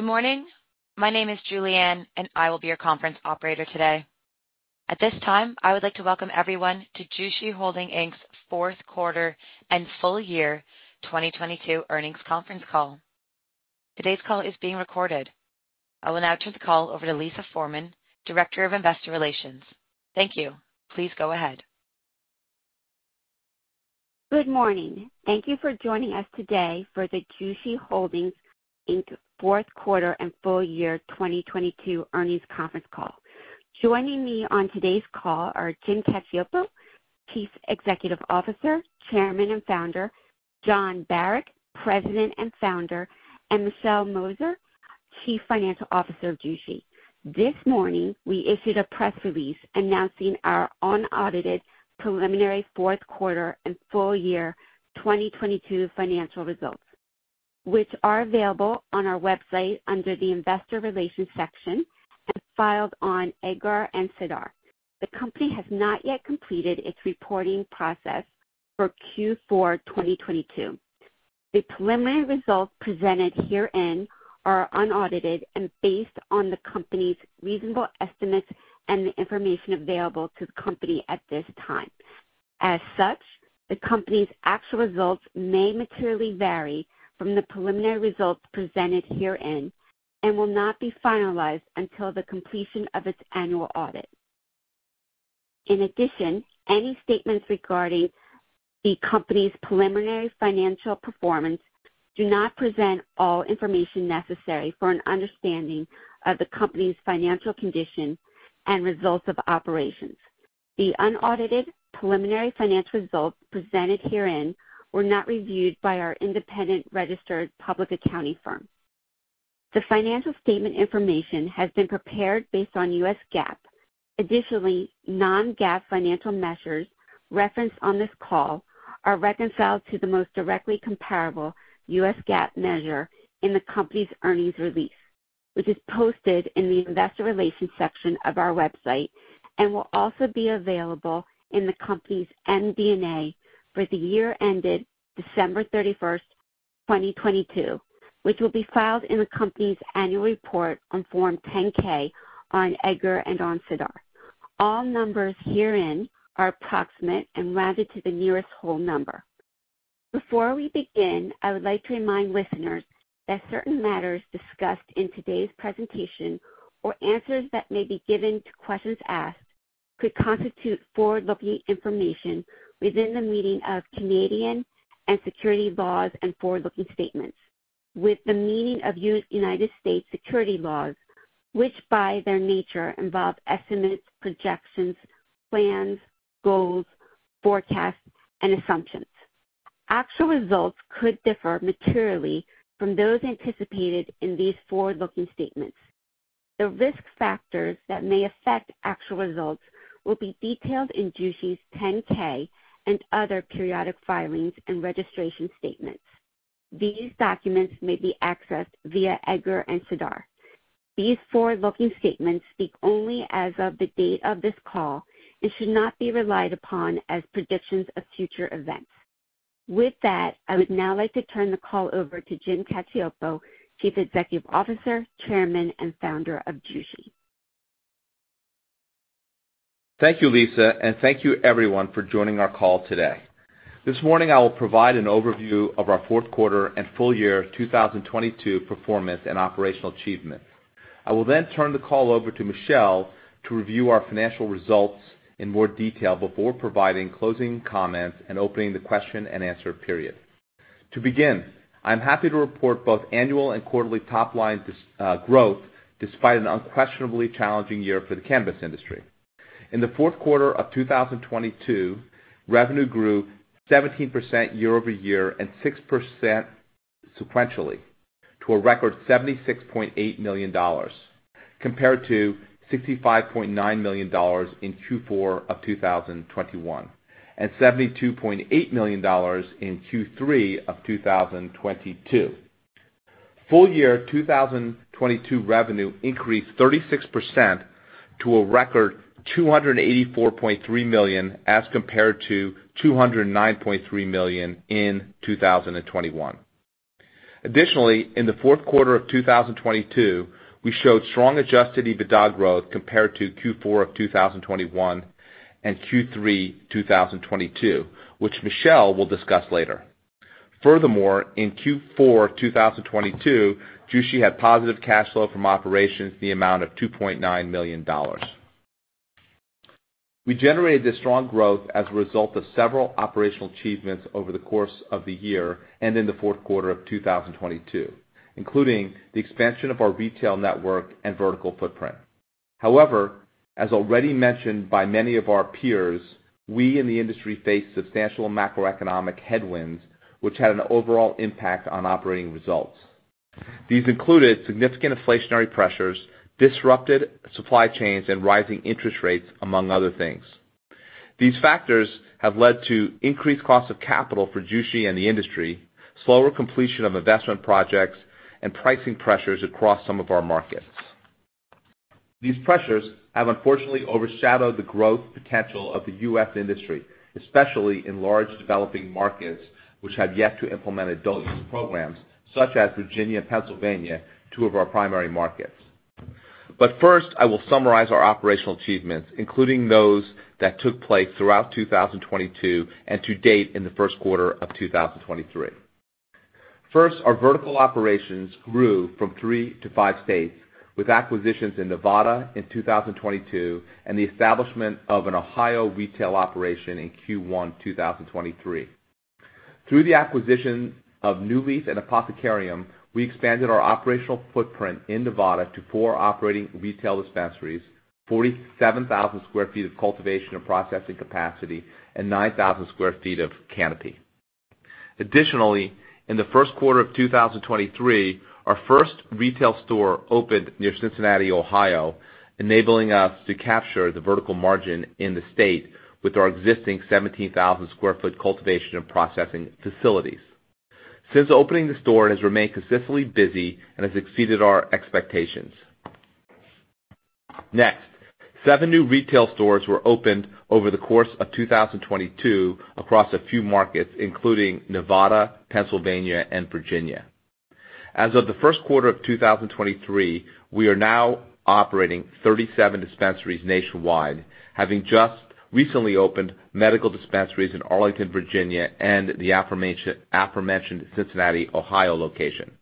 Good morning. My name is Julianne, and I will be your conference operator today. At this time, I would like to welcome everyone to Jushi Holdings Inc.'s fourth quarter and full year 2022 earnings conference call. Today's call is being recorded. I will now turn the call over to Lisa Forman, Director of Investor Relations. Thank you. Please go ahead. Good morning. Thank you for joining us today for the Jushi Holdings Inc. fourth quarter and full year 2022 earnings conference call. Joining me on today's call are Jim Cacioppo, Chief Executive Officer, Chairman and Founder, Jon Barack, President and Founder, and Michelle Mosier, Chief Financial Officer of Jushi. This morning, we issued a press release announcing our unaudited preliminary fourth quarter and full year 2022 financial results, which are available on our website under the Investor Relations section and filed on EDGAR and SEDAR. The company has not yet completed its reporting process for Q4 2022. The preliminary results presented herein are unaudited and based on the company's reasonable estimates and the information available to the company at this time. As such, the company's actual results may materially vary from the preliminary results presented herein and will not be finalized until the completion of its annual audit. In addition, any statements regarding the company's preliminary financial performance do not present all information necessary for an understanding of the company's financial condition and results of operations. The unaudited preliminary financial results presented herein were not reviewed by our independent registered public accounting firm. The financial statement information has been prepared based on U.S. GAAP. Additionally, Non-GAAP financial measures referenced on this call are reconciled to the most directly comparable U.S. GAAP measure in the company's earnings release, which is posted in the Investor Relations section of our website and will also be available in the company's MD&A for the year ended December thirty-first, twenty-twenty-two, which will be filed in the company's annual report on Form 10-K on EDGAR and on SEDAR. All numbers herein are approximate and rounded to the nearest whole number. Before we begin, I would like to remind listeners that certain matters discussed in today's presentation or answers that may be given to questions asked could constitute forward-looking information within the meaning of Canadian and security laws and forward-looking statements with the meaning of United States security laws, which, by their nature, involve estimates, projections, plans, goals, forecasts, and assumptions. Actual results could differ materially from those anticipated in these forward-looking statements. The risk factors that may affect actual results will be detailed in Jushi's 10-K and other periodic filings and registration statements. These documents may be accessed via EDGAR and SEDAR. These forward-looking statements speak only as of the date of this call and should not be relied upon as predictions of future events. With that, I would now like to turn the call over to Jim Cacioppo, Chief Executive Officer, Chairman, and Founder of Jushi. Thank you, Lisa. Thank you everyone for joining our call today. This morning, I will provide an overview of our fourth quarter and full year 2022 performance and operational achievements. I will turn the call over to Michelle to review our financial results in more detail before providing closing comments and opening the question-and-answer period. To begin, I'm happy to report both annual and quarterly top-line growth despite an unquestionably challenging year for the cannabis industry. In the fourth quarter of 2022, revenue grew 17% year-over-year and 6% sequentially to a record $76.8 million, compared to $65.9 million in Q4 of 2021, and $72.8 million in Q3 of 2022. Full year 2022 revenue increased 36% to a record $284.3 million, as compared to $209.3 million in 2021. In the fourth quarter of 2022, we showed strong adjusted EBITDA growth compared to Q4 of 2021 and Q3 2022, which Michelle will discuss later. In Q4 2022, Jushi had positive cash flow from operations in the amount of $2.9 million. We generated this strong growth as a result of several operational achievements over the course of the year and in the fourth quarter of 2022, including the expansion of our retail network and vertical footprint. However, as already mentioned by many of our peers, we in the industry faced substantial macroeconomic headwinds, which had an overall impact on operating results. These included significant inflationary pressures, disrupted supply chains, and rising interest rates, among other things. These factors have led to increased cost of capital for Jushi and the industry, slower completion of investment projects, and pricing pressures across some of our markets. These pressures have unfortunately overshadowed the growth potential of the U.S. industry, especially in large developing markets which have yet to implement adult use programs such as Virginia and Pennsylvania, two of our primary markets. First, I will summarize our operational achievements, including those that took place throughout 2022 and to date in the first quarter of 2023. First, our vertical operations grew from three to five states, with acquisitions in Nevada in 2022 and the establishment of an Ohio retail operation in Q1 2023. Through the acquisition of NuLeaf and Apothecarium, we expanded our operational footprint in Nevada to four operating retail dispensaries, 47,000 sq ft of cultivation and processing capacity, and 9,000 sq ft of canopy. Additionally, in the first quarter of 2023, our first retail store opened near Cincinnati, Ohio, enabling us to capture the vertical margin in the state with our existing 17,000 sq ft cultivation and processing facilities. Since opening, the store has remained consistently busy and has exceeded our expectations. Next, seven new retail stores were opened over the course of 2022 across a few markets, including Nevada, Pennsylvania, and Virginia. As of the first quarter of 2023, we are now operating 37 dispensaries nationwide, having just recently opened medical dispensaries in Arlington, Virginia, and the aforementioned Cincinnati, Ohio location.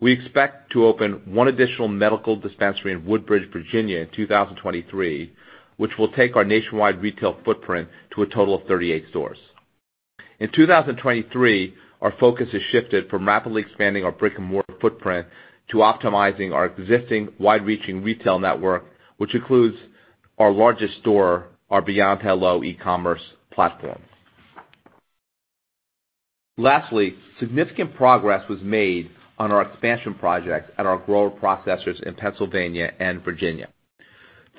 We expect to open one additional medical dispensary in Woodbridge, Virginia in 2023, which will take our nationwide retail footprint to a total of 38 stores. In 2023, our focus has shifted from rapidly expanding our brick-and-mortar footprint to optimizing our existing wide-reaching retail network, which includes our largest store, our Beyond Hello e-commerce platform. Lastly, significant progress was made on our expansion projects at our Grower-Processors in Pennsylvania and Virginia.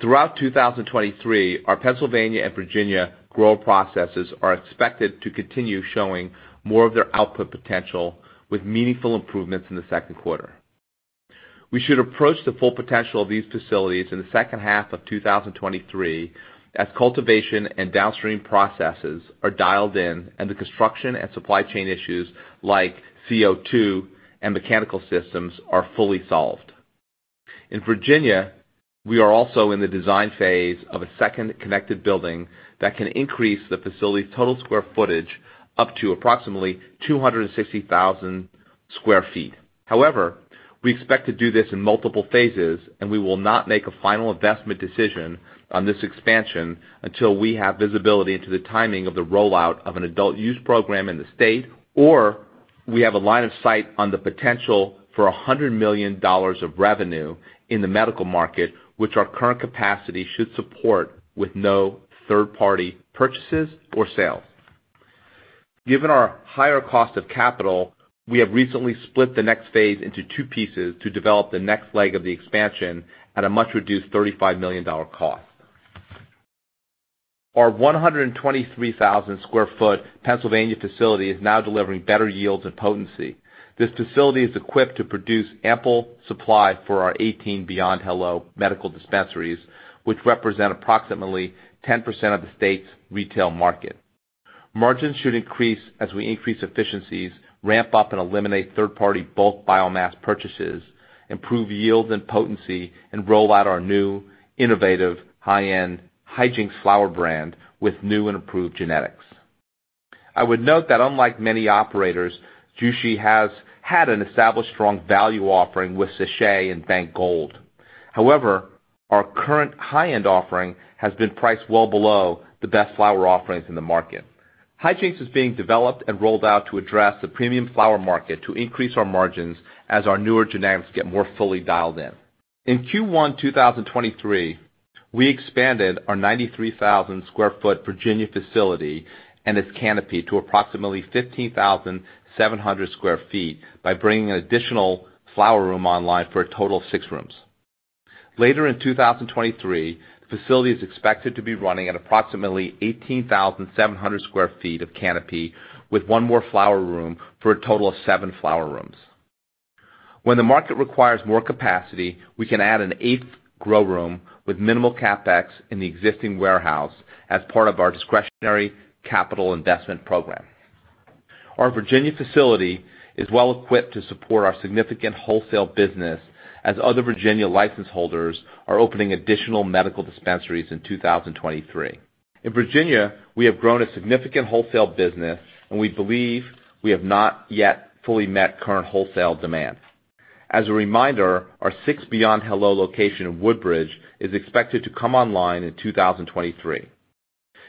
Throughout 2023, our Pennsylvania and Virginia Grower-Processors are expected to continue showing more of their output potential with meaningful improvements in the second quarter. We should approach the full potential of these facilities in the second half of 2023 as cultivation and downstream processes are dialed in and the construction and supply chain issues like CO2 and mechanical systems are fully solved. In Virginia, we are also in the design phase of a second connected building that can increase the facility's total square footage up to approximately 260,000 sq ft. However, we expect to do this in multiple phases, and we will not make a final investment decision on this expansion until we have visibility into the timing of the rollout of an adult use program in the state, or we have a line of sight on the potential for $100 million of revenue in the medical market, which our current capacity should support with no third-party purchases or sales. Given our higher cost of capital, we have recently split the next phase into two pieces to develop the next leg of the expansion at a much reduced $35 million cost. Our 123,000 sq ft Pennsylvania facility is now delivering better yields and potency. This facility is equipped to produce ample supply for our 18 Beyond Hello medical dispensaries, which represent approximately 10% of the state's retail market. Margins should increase as we increase efficiencies, ramp up and eliminate third-party bulk biomass purchases, improve yields and potency, and roll out our new innovative high-end Hijinks flower brand with new and improved genetics. I would note that unlike many operators, Jushi has had an established strong value offering with Sèchè and The Bank Gold. However, our current high-end offering has been priced well below the best flower offerings in the market. Hijinks is being developed and rolled out to address the premium flower market to increase our margins as our newer genetics get more fully dialed in. In Q1 2023, we expanded our 93,000 sq ft Virginia facility and its canopy to approximately 15,700 sq ft by bringing an additional flower room online for a total of six rooms. Later in 2023, the facility is expected to be running at approximately 18,700 sq ft of canopy with one more flower room for a total of seven flower rooms. When the market requires more capacity, we can add an eighth grow room with minimal CapEx in the existing warehouse as part of our discretionary capital investment program. Our Virginia facility is well equipped to support our significant wholesale business as other Virginia license holders are opening additional medical dispensaries in 2023. In Virginia, we have grown a significant wholesale business, and we believe we have not yet fully met current wholesale demand. As a reminder, our sixth Beyond Hello location in Woodbridge is expected to come online in 2023.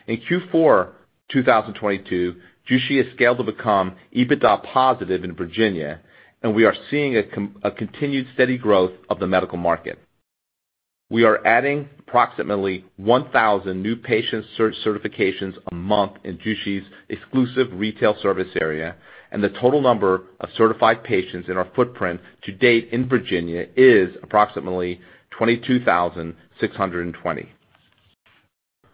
In Q4 2022, Jushi has scaled to become EBITDA positive in Virginia, and we are seeing a continued steady growth of the medical market. We are adding approximately 1,000 new patient certifications a month in Jushi's exclusive retail service area, and the total number of certified patients in our footprint to date in Virginia is approximately 22,620.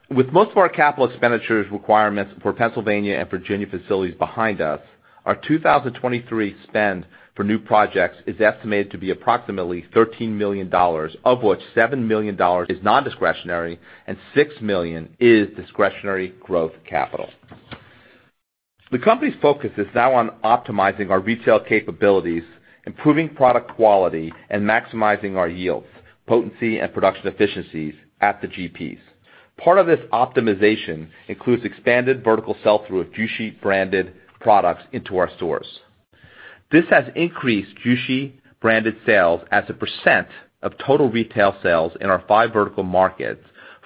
With most of our capital expenditures requirements for Pennsylvania and Virginia facilities behind us, our 2023 spend for new projects is estimated to be approximately $13 million, of which $7 million is non-discretionary and $6 million is discretionary growth capital. The company's focus is now on optimizing our retail capabilities, improving product quality, and maximizing our yields, potency and production efficiencies at the GPs. Part of this optimization includes expanded vertical sell-through of Jushi-branded products into our stores. This has increased Jushi-branded sales as a percent of total retail sales in our five vertical markets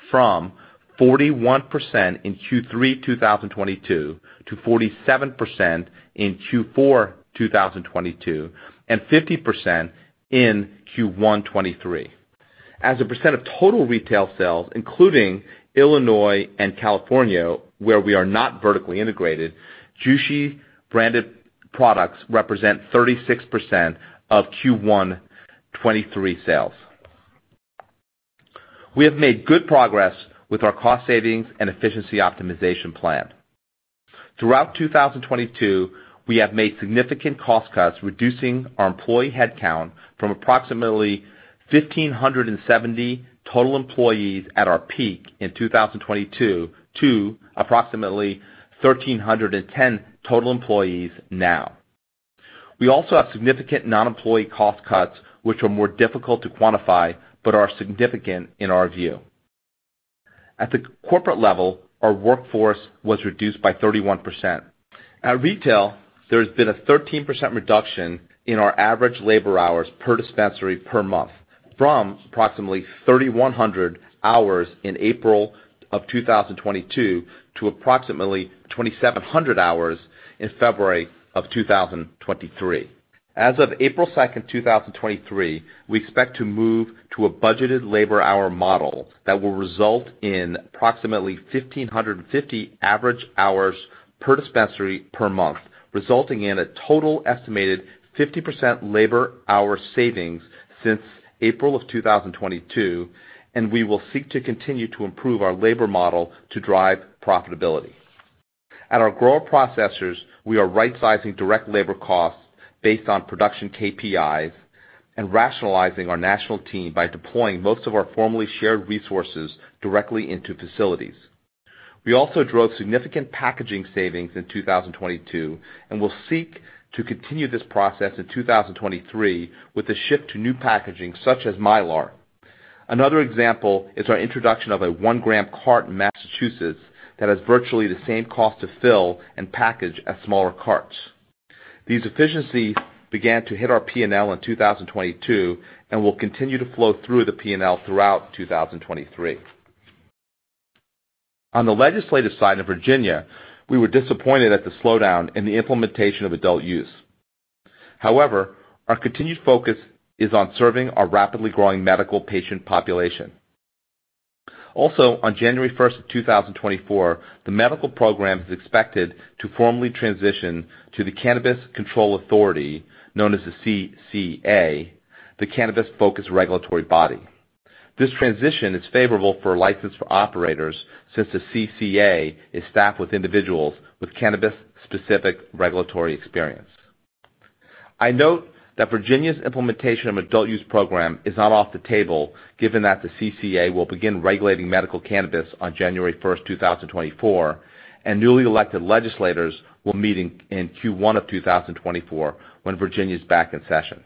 from 41% in Q3 2022, to 47% in Q4 2022, and 50% in Q1 2023. As a percent of total retail sales, including Illinois and California, where we are not vertically integrated, Jushi-branded products represent 36% of Q1 2023 sales. We have made good progress with our cost savings and efficiency optimization plan. Throughout 2022, we have made significant cost cuts, reducing our employee headcount from approximately 1,570 total employees at our peak in 2022 to approximately 1,310 total employees now. We also have significant non-employee cost cuts which are more difficult to quantify but are significant in our view. At the corporate level, our workforce was reduced by 31%. At retail, there has been a 13% reduction in our average labor hours per dispensary per month, from approximately 3,100 hours in April 2022 to approximately 2,700 hours in February 2023. As of April 2nd, 2023, we expect to move to a budgeted labor hour model that will result in approximately 1,550 average hours per dispensary per month, resulting in a total estimated 50% labor hour savings since April 2022, and we will seek to continue to improve our labor model to drive profitability. At our Grower-Processors, we are rightsizing direct labor costs based on production KPIs and rationalizing our national team by deploying most of our formerly shared resources directly into facilities. We also drove significant packaging savings in 2022, and will seek to continue this process in 2023 with the shift to new packaging such as Mylar. Another example is our introduction of a 1-gram cart in Massachusetts that has virtually the same cost to fill and package as smaller carts. These efficiencies began to hit our P&L in 2022 and will continue to flow through the P&L throughout 2023. On the legislative side in Virginia, we were disappointed at the slowdown in the implementation of adult use. However, our continued focus is on serving our rapidly growing medical patient population. Also, on January 1st, 2024, the medical program is expected to formally transition to the Cannabis Control Authority, known as the CCA, the cannabis-focused regulatory body. This transition is favorable for licensed operators since the CCA is staffed with individuals with cannabis-specific regulatory experience. I note that Virginia's implementation of adult use program is not off the table given that the CCA will begin regulating medical cannabis on January first 2024, and newly elected legislators will meet in Q1 of 2024 when Virginia is back in session.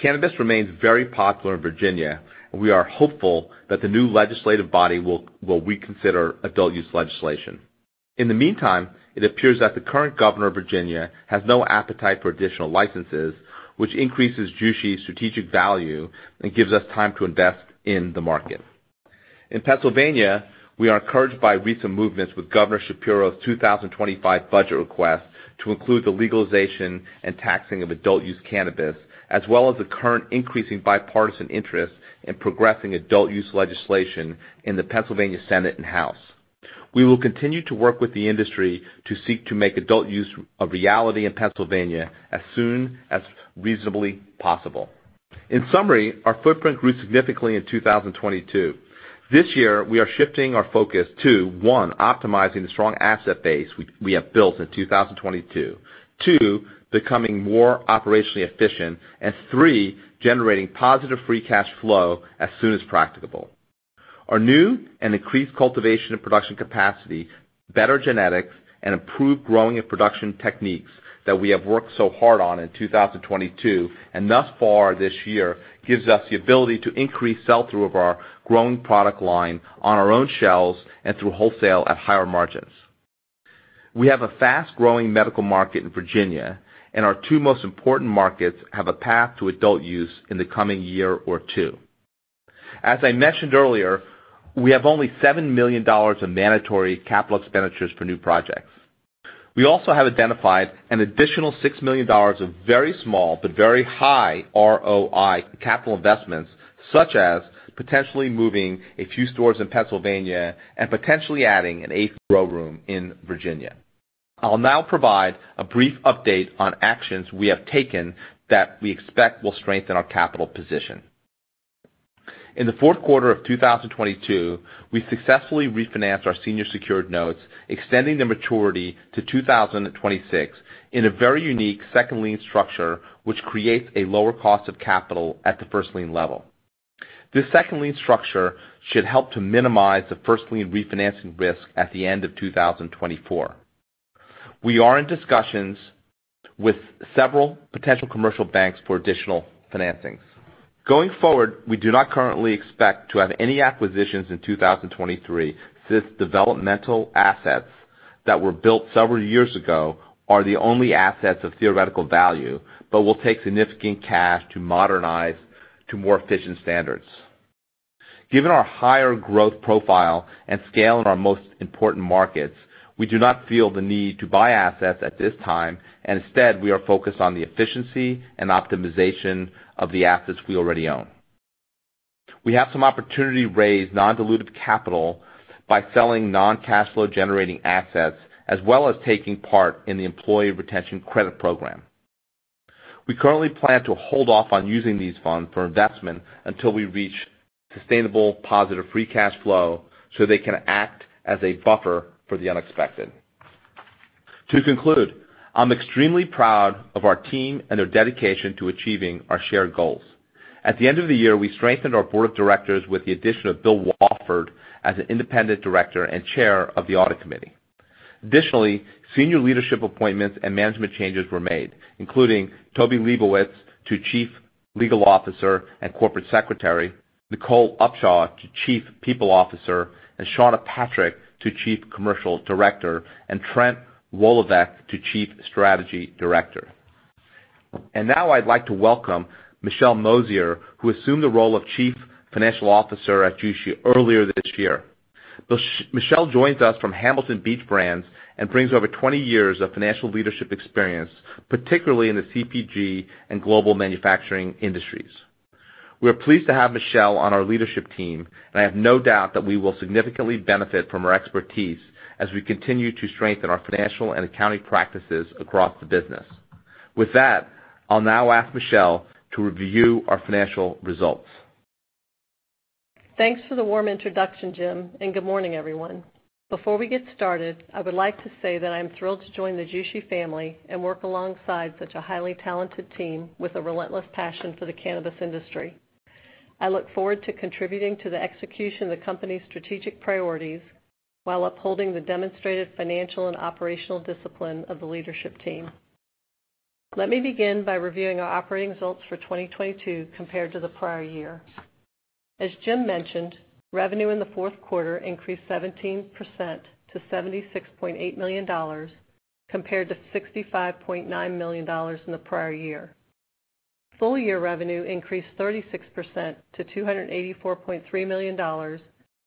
Cannabis remains very popular in Virginia, and we are hopeful that the new legislative body will reconsider adult use legislation. In the meantime, it appears that the current governor of Virginia has no appetite for additional licenses, which increases Jushi's strategic value and gives us time to invest in the market. In Pennsylvania, we are encouraged by recent movements with Governor Shapiro's 2025 budget request to include the legalization and taxing of adult use cannabis, as well as the current increasing bipartisan interest in progressing adult use legislation in the Pennsylvania Senate and House. We will continue to work with the industry to seek to make adult use a reality in Pennsylvania as soon as reasonably possible. In summary, our footprint grew significantly in 2022. This year, we are shifting our focus to, one, optimizing the strong asset base we have built in 2022. Two, becoming more operationally efficient. Three, generating positive free cash flow as soon as practicable. Our new and increased cultivation and production capacity, better genetics, and improved growing and production techniques that we have worked so hard on in 2022 and thus far this year gives us the ability to increase sell-through of our growing product line on our own shelves and through wholesale at higher margins. We have a fast-growing medical market in Virginia, and our two most important markets have a path to adult use in the coming year or two. As I mentioned earlier, we have only $7 million in mandatory capital expenditures for new projects. We also have identified an additional $6 million of very small but very high ROI capital investments, such as potentially moving a few stores in Pennsylvania and potentially adding an eighth grow room in Virginia. I'll now provide a brief update on actions we have taken that we expect will strengthen our capital position. In the fourth quarter of 2022, we successfully refinanced our senior secured notes, extending the maturity to 2026 in a very unique second lien structure, which creates a lower cost of capital at the first lien level. This second lien structure should help to minimize the first lien refinancing risk at the end of 2024. We are in discussions with several potential commercial banks for additional financings. Going forward, we do not currently expect to have any acquisitions in 2023, since developmental assets that were built several years ago are the only assets of theoretical value, but will take significant cash to modernize to more efficient standards. Given our higher growth profile and scale in our most important markets, we do not feel the need to buy assets at this time, and instead we are focused on the efficiency and optimization of the assets we already own. We have some opportunity to raise non-dilutive capital by selling non-cash flow-generating assets, as well as taking part in the Employee Retention Credit program. We currently plan to hold off on using these funds for investment until we reach sustainable positive free cash flow, so they can act as a buffer for the unexpected. To conclude, I'm extremely proud of our team and their dedication to achieving our shared goals. At the end of the year, we strengthened our board of directors with the addition of Bill Wafford as an independent director and chair of the audit committee. Additionally, senior leadership appointments and management changes were made, including Tobi Lebowitz to Chief Legal Officer and Corporate Secretary, Nichole Upshaw to Chief People Officer, Shaunna Patrick to Chief Commercial Director, and Trent Woloveck to Chief Strategy Director. Now I'd like to welcome Michelle Mosier, who assumed the role of Chief Financial Officer at Jushi earlier this year. Michelle joins us from Hamilton Beach Brands and brings over 20 years of financial leadership experience, particularly in the CPG and global manufacturing industries. We are pleased to have Michelle on our leadership team. I have no doubt that we will significantly benefit from her expertise as we continue to strengthen our financial and accounting practices across the business. With that, I'll now ask Michelle to review our financial results. Thanks for the warm introduction, Jim, and good morning, everyone. Before we get started, I would like to say that I am thrilled to join the Jushi family and work alongside such a highly talented team with a relentless passion for the cannabis industry. I look forward to contributing to the execution of the company's strategic priorities while upholding the demonstrated financial and operational discipline of the leadership team. Let me begin by reviewing our operating results for 2022 compared to the prior year. As Jim mentioned, revenue in the fourth quarter increased 17% to $76.8 million, compared to $65.9 million in the prior year. Full-year revenue increased 36% to $284.3 million,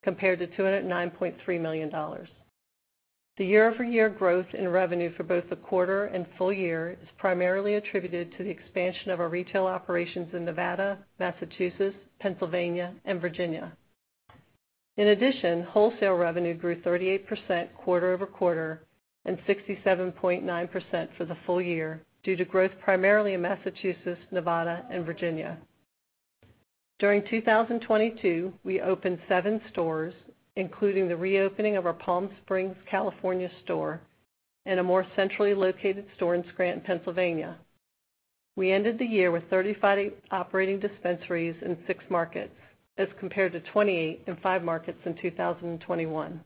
compared to $209.3 million. The year-over-year growth in revenue for both the quarter and full year is primarily attributed to the expansion of our retail operations in Nevada, Massachusetts, Pennsylvania, and Virginia. Wholesale revenue grew 38% quarter-over-quarter and 67.9% for the full year due to growth primarily in Massachusetts, Nevada, and Virginia. During 2022, we opened seven stores, including the reopening of our Palm Springs, California store and a more centrally located store in Scranton, Pennsylvania. We ended the year with 35 operating dispensaries in six markets as compared to 28 operating dispensaries in five markets in 2021.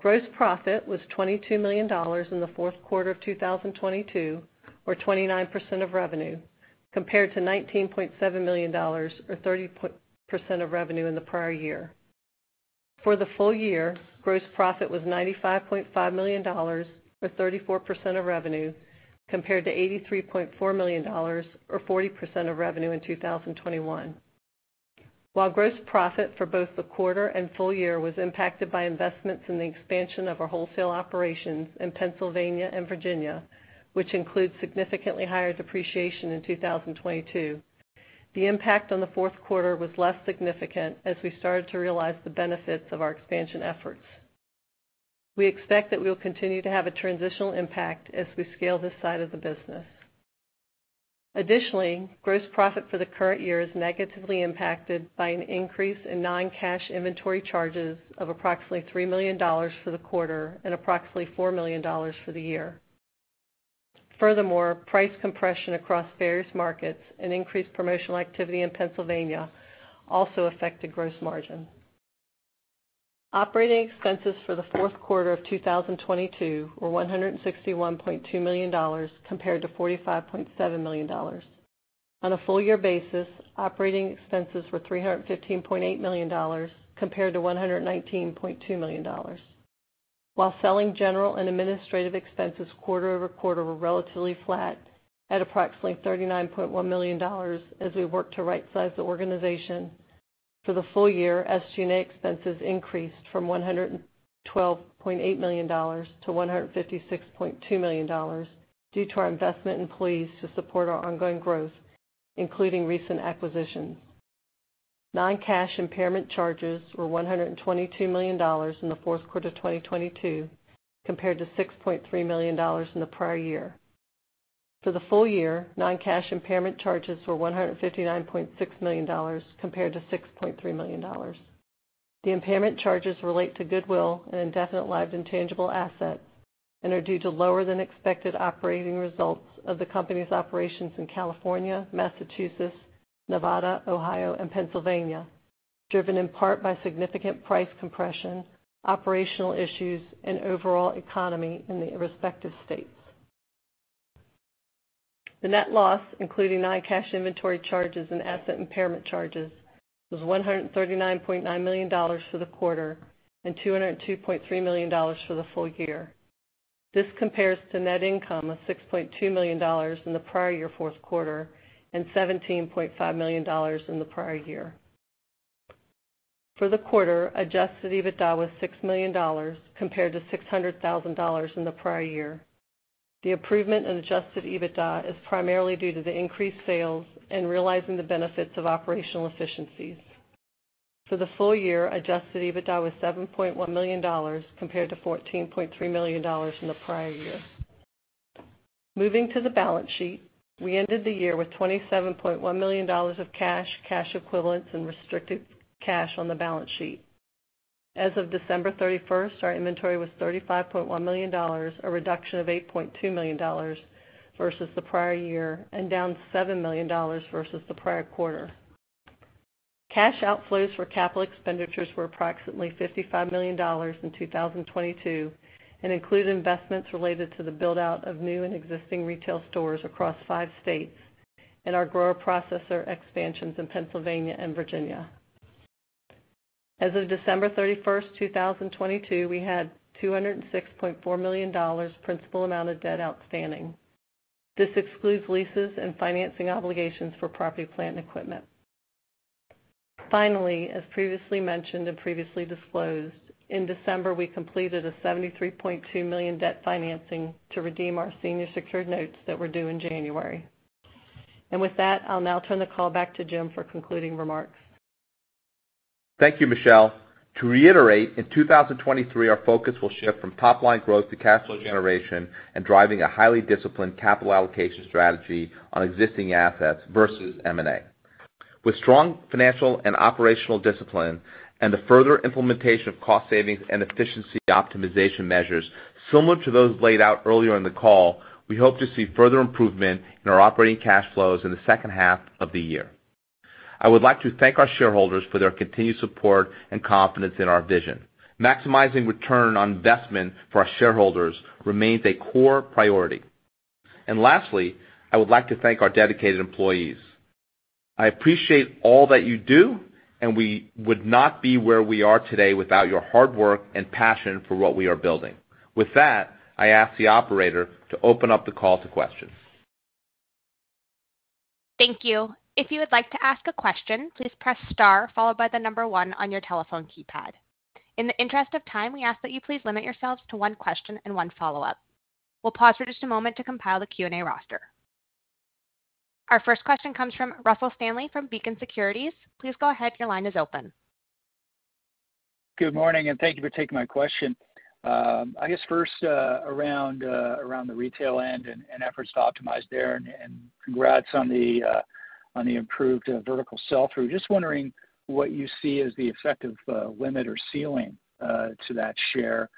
Gross profit was $22 million in the fourth quarter of 2022 or 29% of revenue, compared to $19.7 million or 30% of revenue in the prior year. For the full year, gross profit was $95.5 million, or 34% of revenue, compared to $83.4 million, or 40% of revenue in 2021. While gross profit for both the quarter and full year was impacted by investments in the expansion of our wholesale operations in Pennsylvania and Virginia, which includes significantly higher depreciation in 2022, the impact on the fourth quarter was less significant as we started to realize the benefits of our expansion efforts. We expect that we will continue to have a transitional impact as we scale this side of the business. Additionally, gross profit for the current year is negatively impacted by an increase in non-cash inventory charges of approximately $3 million for the quarter and approximately $4 million for the year. Price compression across various markets and increased promotional activity in Pennsylvania also affected gross margin. Operating expenses for the fourth quarter of 2022 were $161.2 million compared to $45.7 million. On a full year basis, operating expenses were $315.8 million compared to $119.2 million. While selling general and administrative expenses quarter-over-quarter were relatively flat at approximately $39.1 million as we worked to rightsize the organization for the full year, SG&A expenses increased from $112.8 million to $156.2 million due to our investment in employees to support our ongoing growth, including recent acquisitions. Noncash impairment charges were $122 million in the fourth quarter 2022, compared to $6.3 million in the prior year. For the full year, noncash impairment charges were $159.6 million compared to $6.3 million. The impairment charges relate to goodwill and indefinite lived intangible assets and are due to lower than expected operating results of the company's operations in California, Massachusetts, Nevada, Ohio, and Pennsylvania, driven in part by significant price compression, operational issues, and overall economy in the respective states. The net loss, including noncash inventory charges and asset impairment charges, was $139.9 million for the quarter and $202.3 million for the full year. This compares to net income of $6.2 million in the prior year fourth quarter and $17.5 million in the prior year. For the quarter, adjusted EBITDA was $6 million compared to $600,000 in the prior year. The improvement in adjusted EBITDA is primarily due to the increased sales and realizing the benefits of operational efficiencies. For the full year, adjusted EBITDA was $7.1 million compared to $14.3 million in the prior year. Moving to the balance sheet, we ended the year with $27.1 million of cash equivalents and restricted cash on the balance sheet. As of December 31st, our inventory was $35.1 million, a reduction of $8.2 million versus the prior year and down $7 million versus the prior quarter. Cash outflows for capital expenditures were approximately $55 million in 2022 and include investments related to the build-out of new and existing retail stores across 5 states and our Grower-Processor expansions in Pennsylvania and Virginia. As of December 31st, 2022, we had $206.4 million principal amount of debt outstanding. This excludes leases and financing obligations for property, plant, and equipment. Finally, as previously mentioned and previously disclosed, in December, we completed a $73.2 million debt financing to redeem our senior secured notes that were due in January. With that, I'll now turn the call back to Jim for concluding remarks. Thank you, Michelle. To reiterate, in 2023, our focus will shift from top-line growth to cash flow generation and driving a highly disciplined capital allocation strategy on existing assets versus M&A. With strong financial and operational discipline and the further implementation of cost savings and efficiency optimization measures similar to those laid out earlier in the call, we hope to see further improvement in our operating cash flows in the second half of the year. I would like to thank our shareholders for their continued support and confidence in our vision. Maximizing return on investment for our shareholders remains a core priority. Lastly, I would like to thank our dedicated employees. I appreciate all that you do, and we would not be where we are today without your hard work and passion for what we are building. With that, I ask the operator to open up the call to questions. Thank you. If you would like to ask a question, please press star followed by one on your telephone keypad. In the interest of time, we ask that you please limit yourselves to one question and 1 follow-up. We'll pause for just a moment to compile the Q&A roster. Our first question comes from Russell Stanley from Beacon Securities. Please go ahead. Your line is open. Good morning. Thank you for taking my question. I guess first, around the retail end and efforts to optimize there, and congrats on the improved vertical sell-through, just wondering what you see as the effective limit or ceiling to that share,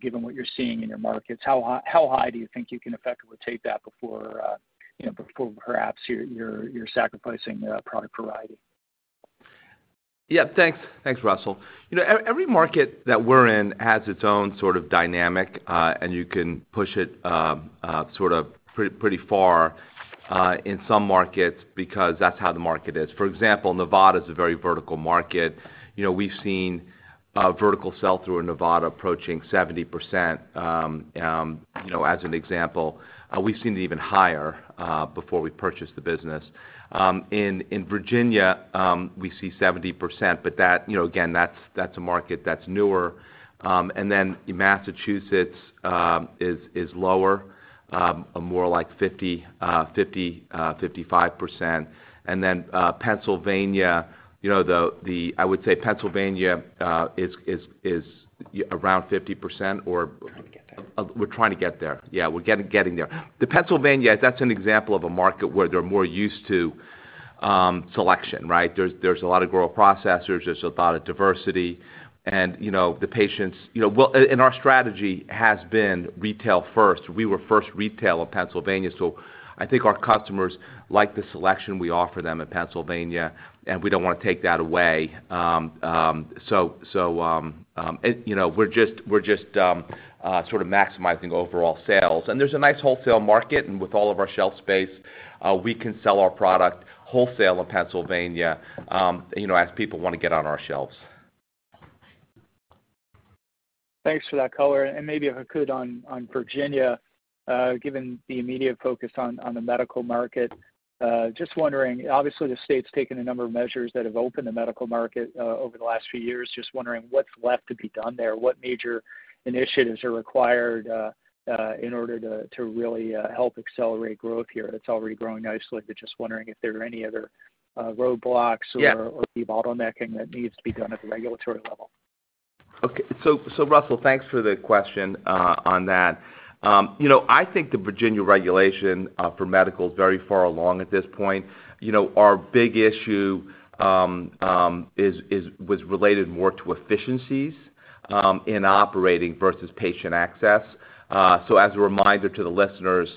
given what you're seeing in your markets, how high do you think you can effectively take that before, you know, before perhaps you're sacrificing product variety? Yeah. Thanks. Thanks, Russell. You know, every market that we're in has its own sort of dynamic, and you can push it sort of pretty far in some markets because that's how the market is. For example, Nevada is a very vertical market. You know, we've seen vertical sell-through in Nevada approaching 70%, you know, as an example. We've seen it even higher before we purchased the business. In Virginia, we see 70%, but that, you know, again, that's a market that's newer. Massachusetts is lower, more like 50%, 55%. Pennsylvania, you know, I would say Pennsylvania is around 50% or- Trying to get there. We're trying to get there. Yeah, we're getting there. The Pennsylvania, that's an example of a market where they're more used to selection, right? There's a lot of Grower-Processors, there's a lot of diversity and, you know, the patients. You know, well, and our strategy has been retail first. We were first retail of Pennsylvania. I think our customers like the selection we offer them in Pennsylvania, and we don't wanna take that away. You know, we're just sort of maximizing overall sales. There's a nice wholesale market, with all of our shelf space, we can sell our product wholesale in Pennsylvania, you know, as people wanna get on our shelves. Thanks for that color. Maybe if I could on Virginia, given the immediate focus on the medical market, just wondering, obviously, the state's taken a number of measures that have opened the medical market, over the last few years. Just wondering what's left to be done there? What major initiatives are required in order to really, help accelerate growth here? It's already growing nicely, but just wondering if there are any other, roadblocks or- Yeah... or key bottlenecking that needs to be done at the regulatory level. Okay. Russell, thanks for the question on that. You know, I think the Virginia regulation for medical is very far along at this point. You know, our big issue was related more to efficiencies in operating versus patient access. As a reminder to the listeners,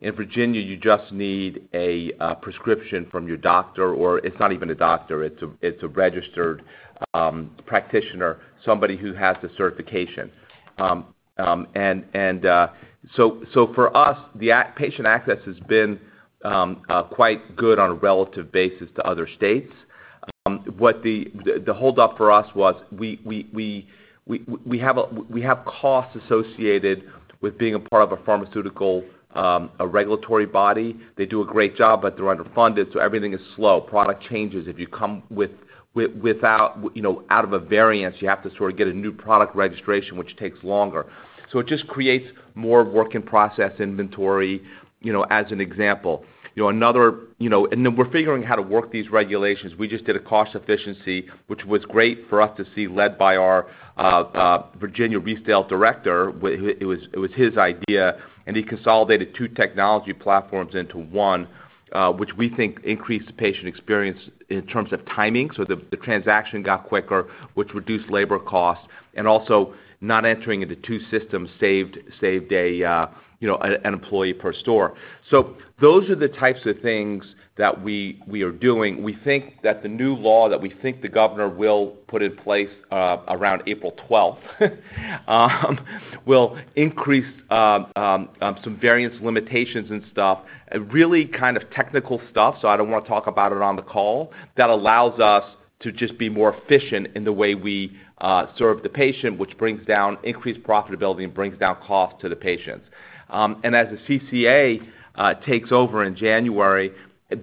in Virginia, you just need a prescription from your doctor, or it's not even a doctor, it's a registered practitioner, somebody who has the certification. For us, patient access has been quite good on a relative basis to other states. What the hold up for us was we have costs associated with being a part of a pharmaceutical regulatory body. They do a great job, they're underfunded, everything is slow. Product changes, if you come without, you know, out of a variance, you have to sort of get a new product registration, which takes longer. It just creates more work in process inventory, you know, as an example. Then we're figuring how to work these regulations. We just did a cost efficiency, which was great for us to see, led by our Virginia resale director. It was his idea, and he consolidated two technology platforms into one, which we think increased the patient experience in terms of timing. The transaction got quicker, which reduced labor costs, and also not entering into two systems saved a, you know, an employee per store. Those are the types of things that we are doing. We think that the new law that we think the governor will put in place, around April 12th, will increase some variance limitations and stuff, really kind of technical stuff, I don't wanna talk about it on the call, that allows us to just be more efficient in the way we serve the patient, which brings down increased profitability and brings down cost to the patients. As the CCA takes over in January,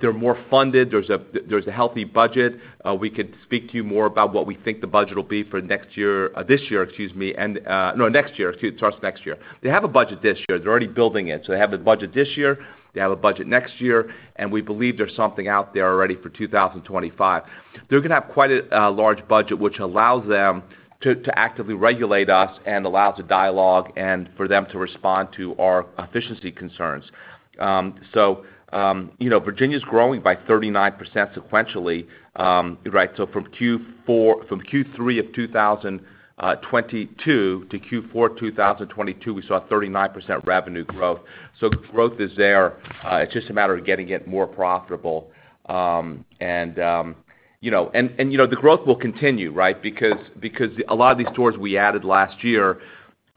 they're more funded. There's a healthy budget. We could speak to you more about what we think the budget will be for next year. No, next year. It starts next year. They have a budget this year. They're already building it. They have a budget this year. They have a budget next year, and we believe there's something out there already for 2025. They're gonna have quite a large budget, which allows them to actively regulate us and allows a dialogue and for them to respond to our efficiency concerns. you know, Virginia's growing by 39% sequentially, right? From Q3 of 2022-Q4 2022, we saw a 39% revenue growth. The growth is there. It's just a matter of getting it more profitable. you know, and you know, the growth will continue, right? Because a lot of these stores we added last year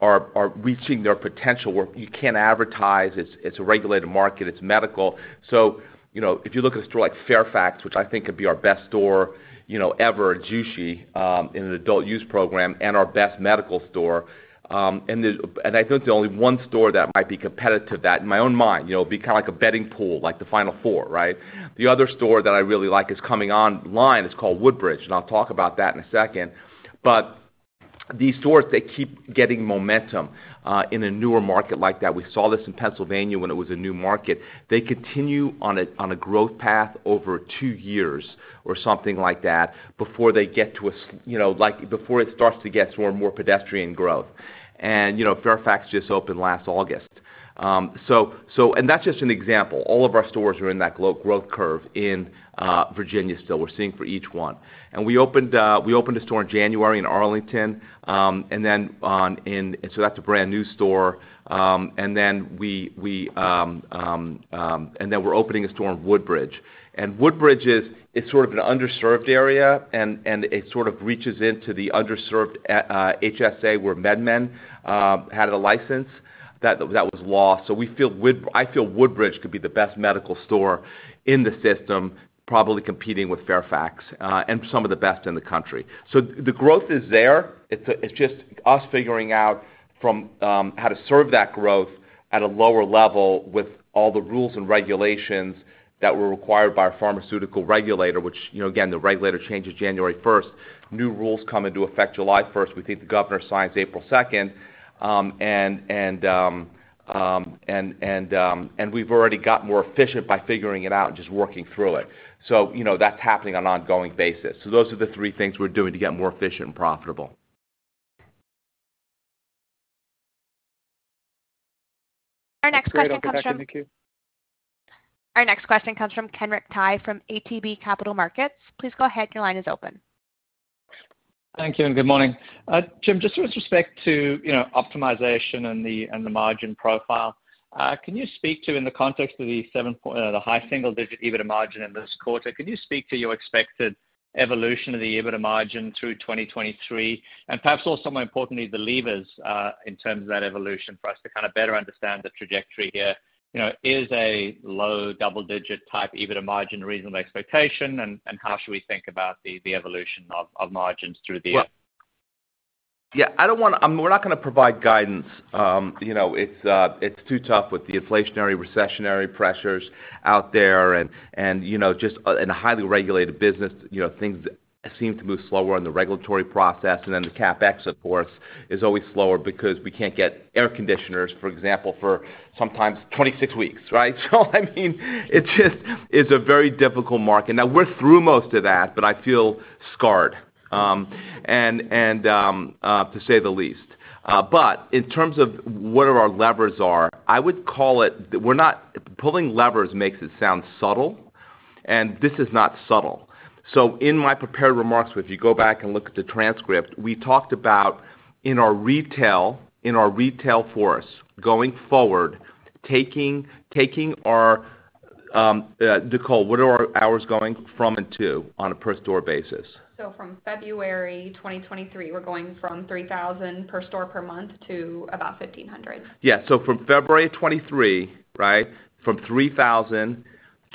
are reaching their potential where you can't advertise. It's a regulated market. It's medical. you know, if you look at a store like Fairfax, which I think could be our best store, you know, ever at Jushi, in an adult use program and our best medical store, and I think the only one store that might be competitive to that in my own mind. You know, it'd be kinda like a betting pool, like the Final Four, right? The other store that I really like is coming online. It's called Woodbridge, and I'll talk about that in a second. These stores, they keep getting momentum in a newer market like that. We saw this in Pennsylvania when it was a new market. They continue on a growth path over two years or something like that before they get to you know, like, before it starts to get to a more pedestrian growth. You know, Fairfax just opened last August. That's just an example. All of our stores are in that growth curve in Virginia still. We're seeing for each one. We opened a store in January in Arlington, so that's a brand-new store. Then we're opening a store in Woodbridge. Woodbridge is, it's sort of an underserved area, and it sort of reaches into the underserved HSA, where MedMen had a license that was lost. We feel Woodbridge could be the best medical store in the system, probably competing with Fairfax, and some of the best in the country. The growth is there. It's just us figuring out from how to serve that growth at a lower level with all the rules and regulations that were required by our pharmaceutical regulator, which, you know, again, the regulator changes January first. New rules come into effect July first. We think the governor signs April second. We've already got more efficient by figuring it out and just working through it. You know, that's happening on an ongoing basis. Those are the three things we're doing to get more efficient and profitable. Our next question comes from- Great. I'll get back in the queue. Our next question comes from Kenric Tyghe from ATB Capital Markets. Please go ahead. Your line is open. Thank you, and good morning. Jim, just with respect to, you know, optimization and the, and the margin profile, can you speak to in the context of the high single digit EBITDA margin in this quarter, can you speak to your expected evolution of the EBITDA margin through 2023? Perhaps also more importantly, the levers in terms of that evolution for us to kind of better understand the trajectory here. You know, is a low double-digit type EBITDA margin a reasonable expectation? How should we think about the evolution of margins through the year? Well, yeah, we're not gonna provide guidance. It's, it's too tough with the inflationary, recessionary pressures out there and, you know, just, in a highly regulated business, you know, things seem to move slower in the regulatory process. The CapEx, of course, is always slower because we can't get air conditioners, for example, for sometimes 26 weeks, right? I mean, it just is a very difficult market. Now, we're through most of that, but I feel scarred, to say the least. In terms of what our levers are, I would call it that pulling levers makes it sound subtle, and this is not subtle. In my prepared remarks, if you go back and look at the transcript, we talked about in our retail force going forward, taking our call, what are our hours going from and to on a per store basis? From February 2023, we're going from $3,000 per store per month to about $1,500 per store per month. Yeah. From February of 2023, right, from $3,000 per store per month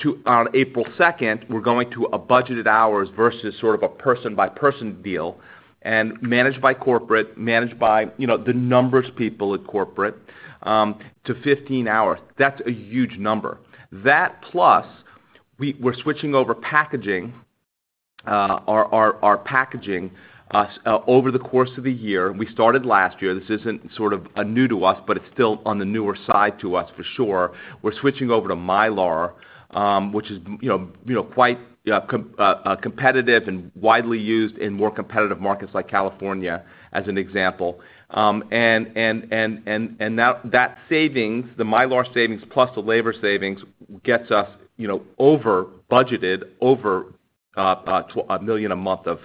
to on April 2nd, we're going to a budgeted hours versus sort of a person-by-person deal and managed by corporate, managed by, you know, the numbers people at corporate, to 15 hours. That's a huge number. That plus we're switching over packaging over the course of the year. We started last year. This isn't sort of a new to us, but it's still on the newer side to us for sure. We're switching over to Mylar, which is, you know, quite competitive and widely used in more competitive markets like California as an example. That savings, the Mylar savings plus the labor savings gets us, you know, over budgeted over $1 million a month of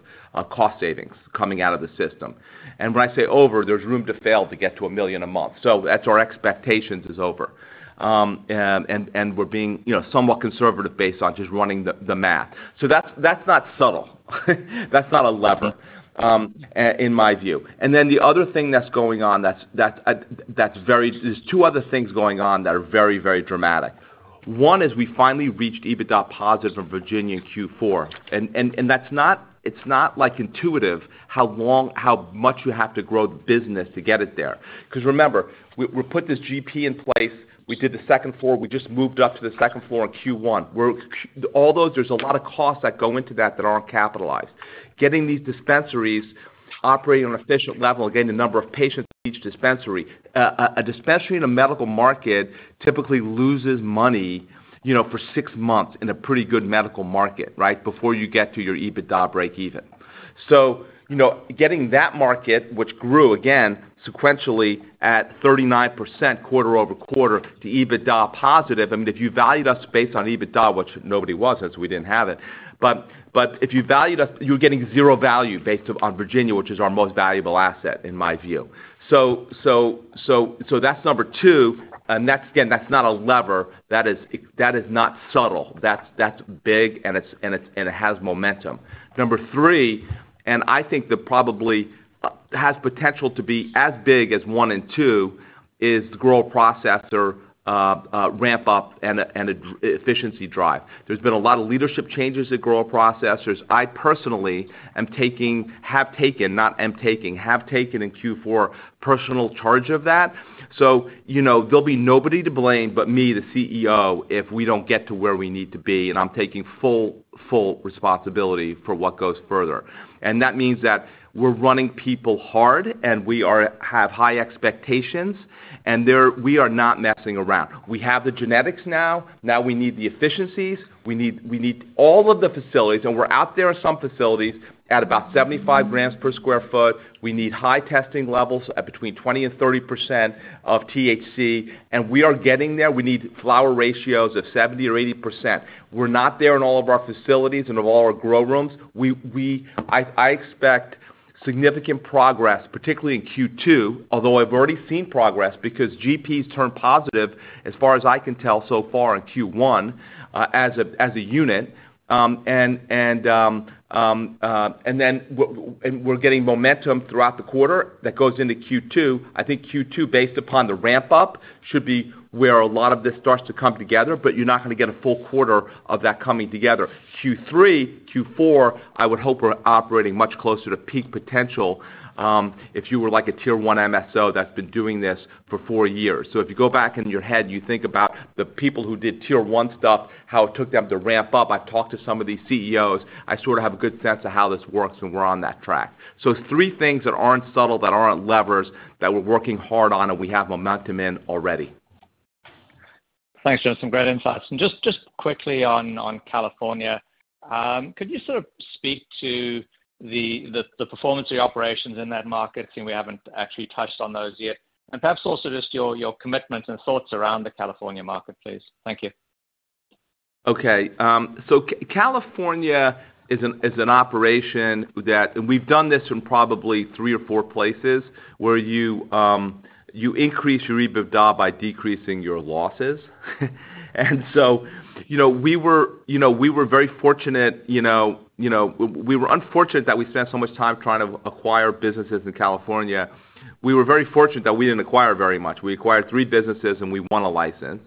cost savings coming out of the system. When I say over, there's room to fail to get to $1 million a month. That's our expectations is over. We're being, you know, somewhat conservative based on just running the math. That's not subtle. That's not a lever in my view. Then the other thing that's going on that's very. There's two other things going on that are very dramatic. One is we finally reached EBITDA positive in Virginia in Q4. That's not, it's not like intuitive how long, how much you have to grow the business to get it there. Remember, we put this GP in place. We did the second floor. We just moved up to the second floor in Q1. There's a lot of costs that go into that that aren't capitalized. Getting these dispensaries operating on an efficient level and getting the number of patients in each dispensary. A dispensary in a medical market typically loses money, you know, for six months in a pretty good medical market, right? Before you get to your EBITDA breakeven. You know, getting that market, which grew again sequentially at 39% quarter-over-quarter to EBITDA positive. I mean, if you valued us based on EBITDA, which nobody was as we didn't have it, but if you valued us, you're getting zero value based on Virginia, which is our most valuable asset in my view. That's number two. That's, again, that's not a lever. That is not subtle. That's big, and it has momentum. Number three, I think that probably has potential to be as big as one and two is the grow processor ramp up and an efficiency drive. There's been a lot of leadership changes at grow processors. I personally have taken in Q4 personal charge of that. You know, there'll be nobody to blame but me, the CEO, if we don't get to where we need to be, and I'm taking full responsibility for what goes further. That means that we're running people hard, and we have high expectations, and we are not messing around. We have the genetics now. We need the efficiencies. We need all of the facilities, we're out there in some facilities at about 75 grams per sq ft. We need high testing levels at between 20% and 30% of THC, we are getting there. We need flower ratios of 70% or 80%. We're not there in all of our facilities and in all our grow rooms. I expect significant progress, particularly in Q2, although I've already seen progress because GPs turn positive as far as I can tell so far in Q1 as a unit. We're getting momentum throughout the quarter that goes into Q2. I think Q2, based upon the ramp up, should be where a lot of this starts to come together, but you're not gonna get a full quarter of that coming together. Q3, Q4, I would hope we're operating much closer to peak potential, if you were like a tier one MSO that's been doing this for four years. If you go back in your head, you think about the people who did tier one stuff, how it took them to ramp up. I've talked to some of these CEOs. I sort of have a good sense of how this works, and we're on that track. Three things that aren't subtle, that aren't levers, that we're working hard on, and we have momentum in already. Thanks, Jason. Great insights. Just quickly on California, could you sort of speak to the performance of the operations in that market? I think we haven't actually touched on those yet. Perhaps also just your commitment and thoughts around the California market, please. Thank you. California is an operation that we've done this in probably three or four places where you increase your EBITDA by decreasing your losses. you know, we were, you know, we were very fortunate, you know, we were unfortunate that we spent so much time trying to acquire businesses in California. We were very fortunate that we didn't acquire very much. We acquired three businesses, and we won a license.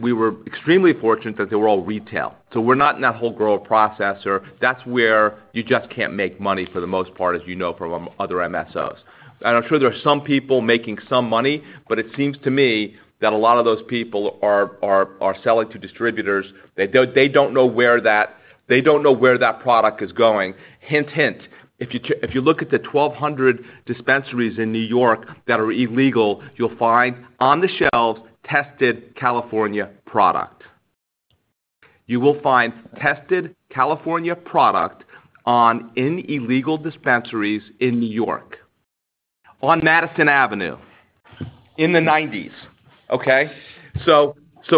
We were extremely fortunate that they were all retail. We're not in that whole grow processor. That's where you just can't make money for the most part, as you know, from other MSOs. I'm sure there are some people making some money, but it seems to me that a lot of those people are selling to distributors. They don't know where that, they don't know where that product is going. Hint, hint, if you look at the 1,200 dispensaries in New York that are illegal, you'll find on the shelves tested California product. You will find tested California product on any illegal dispensaries in New York, on Madison Avenue in the nineties, okay.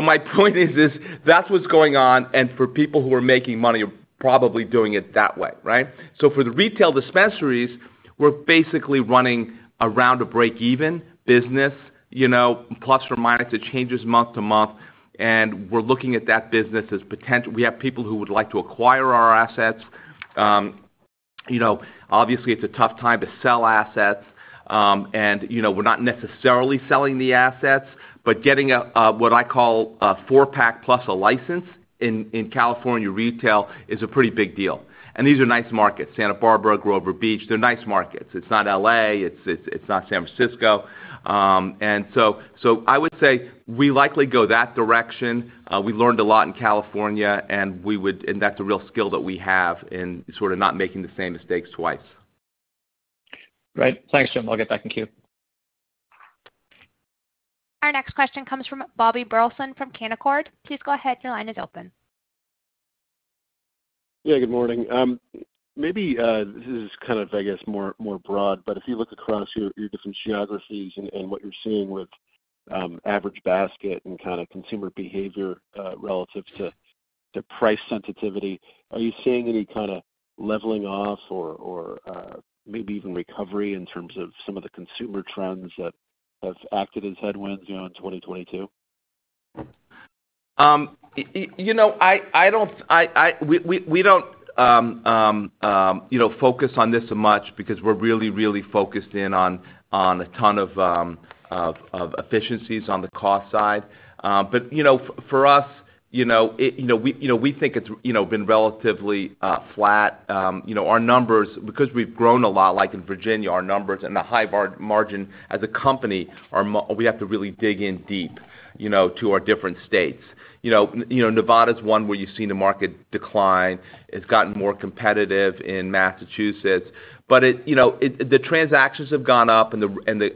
My point is this, that's what's going on, and for people who are making money are probably doing it that way, right. For the retail dispensaries, we're basically running around a breakeven business, you know, plus or minus. It changes month to month, and we're looking at that business as potent. We have people who would like to acquire our assets. You know, obviously it's a tough time to sell assets, and, you know, we're not necessarily selling the assets, but getting a, what I call a four-pack plus a license in California retail is a pretty big deal. These are nice markets. Santa Barbara, Grover Beach, they're nice markets. It's not L.A., it's, it's not San Francisco. So I would say we likely go that direction. We learned a lot in California, and that's a real skill that we have in sort of not making the same mistakes twice. Right. Thanks, Jim. I'll get back in queue. Our next question comes from Bobby Burleson from Canaccord Genuity. Please go ahead, your line is open. Yeah, good morning. Maybe this is kind of, I guess, more, more broad, but if you look across your different geographies and what you're seeing with average basket and kind of consumer behavior, relative to price sensitivity, are you seeing any kind of leveling off or maybe even recovery in terms of some of the consumer trends that have acted as headwinds, you know, in 2022? You know, I don't We don't, you know, focus on this much because we're really, really focused in on a ton of efficiencies on the cost side. You know, for us, you know, it, you know, we, you know, we think it's, you know, been relatively flat. You know, our numbers, because we've grown a lot, like in Virginia, our numbers and the high bar, margin as a company are we have to really dig in deep, you know, to our different states. You know, Nevada is one where you've seen the market decline. It's gotten more competitive in Massachusetts. It, you know, the transactions have gone up, and the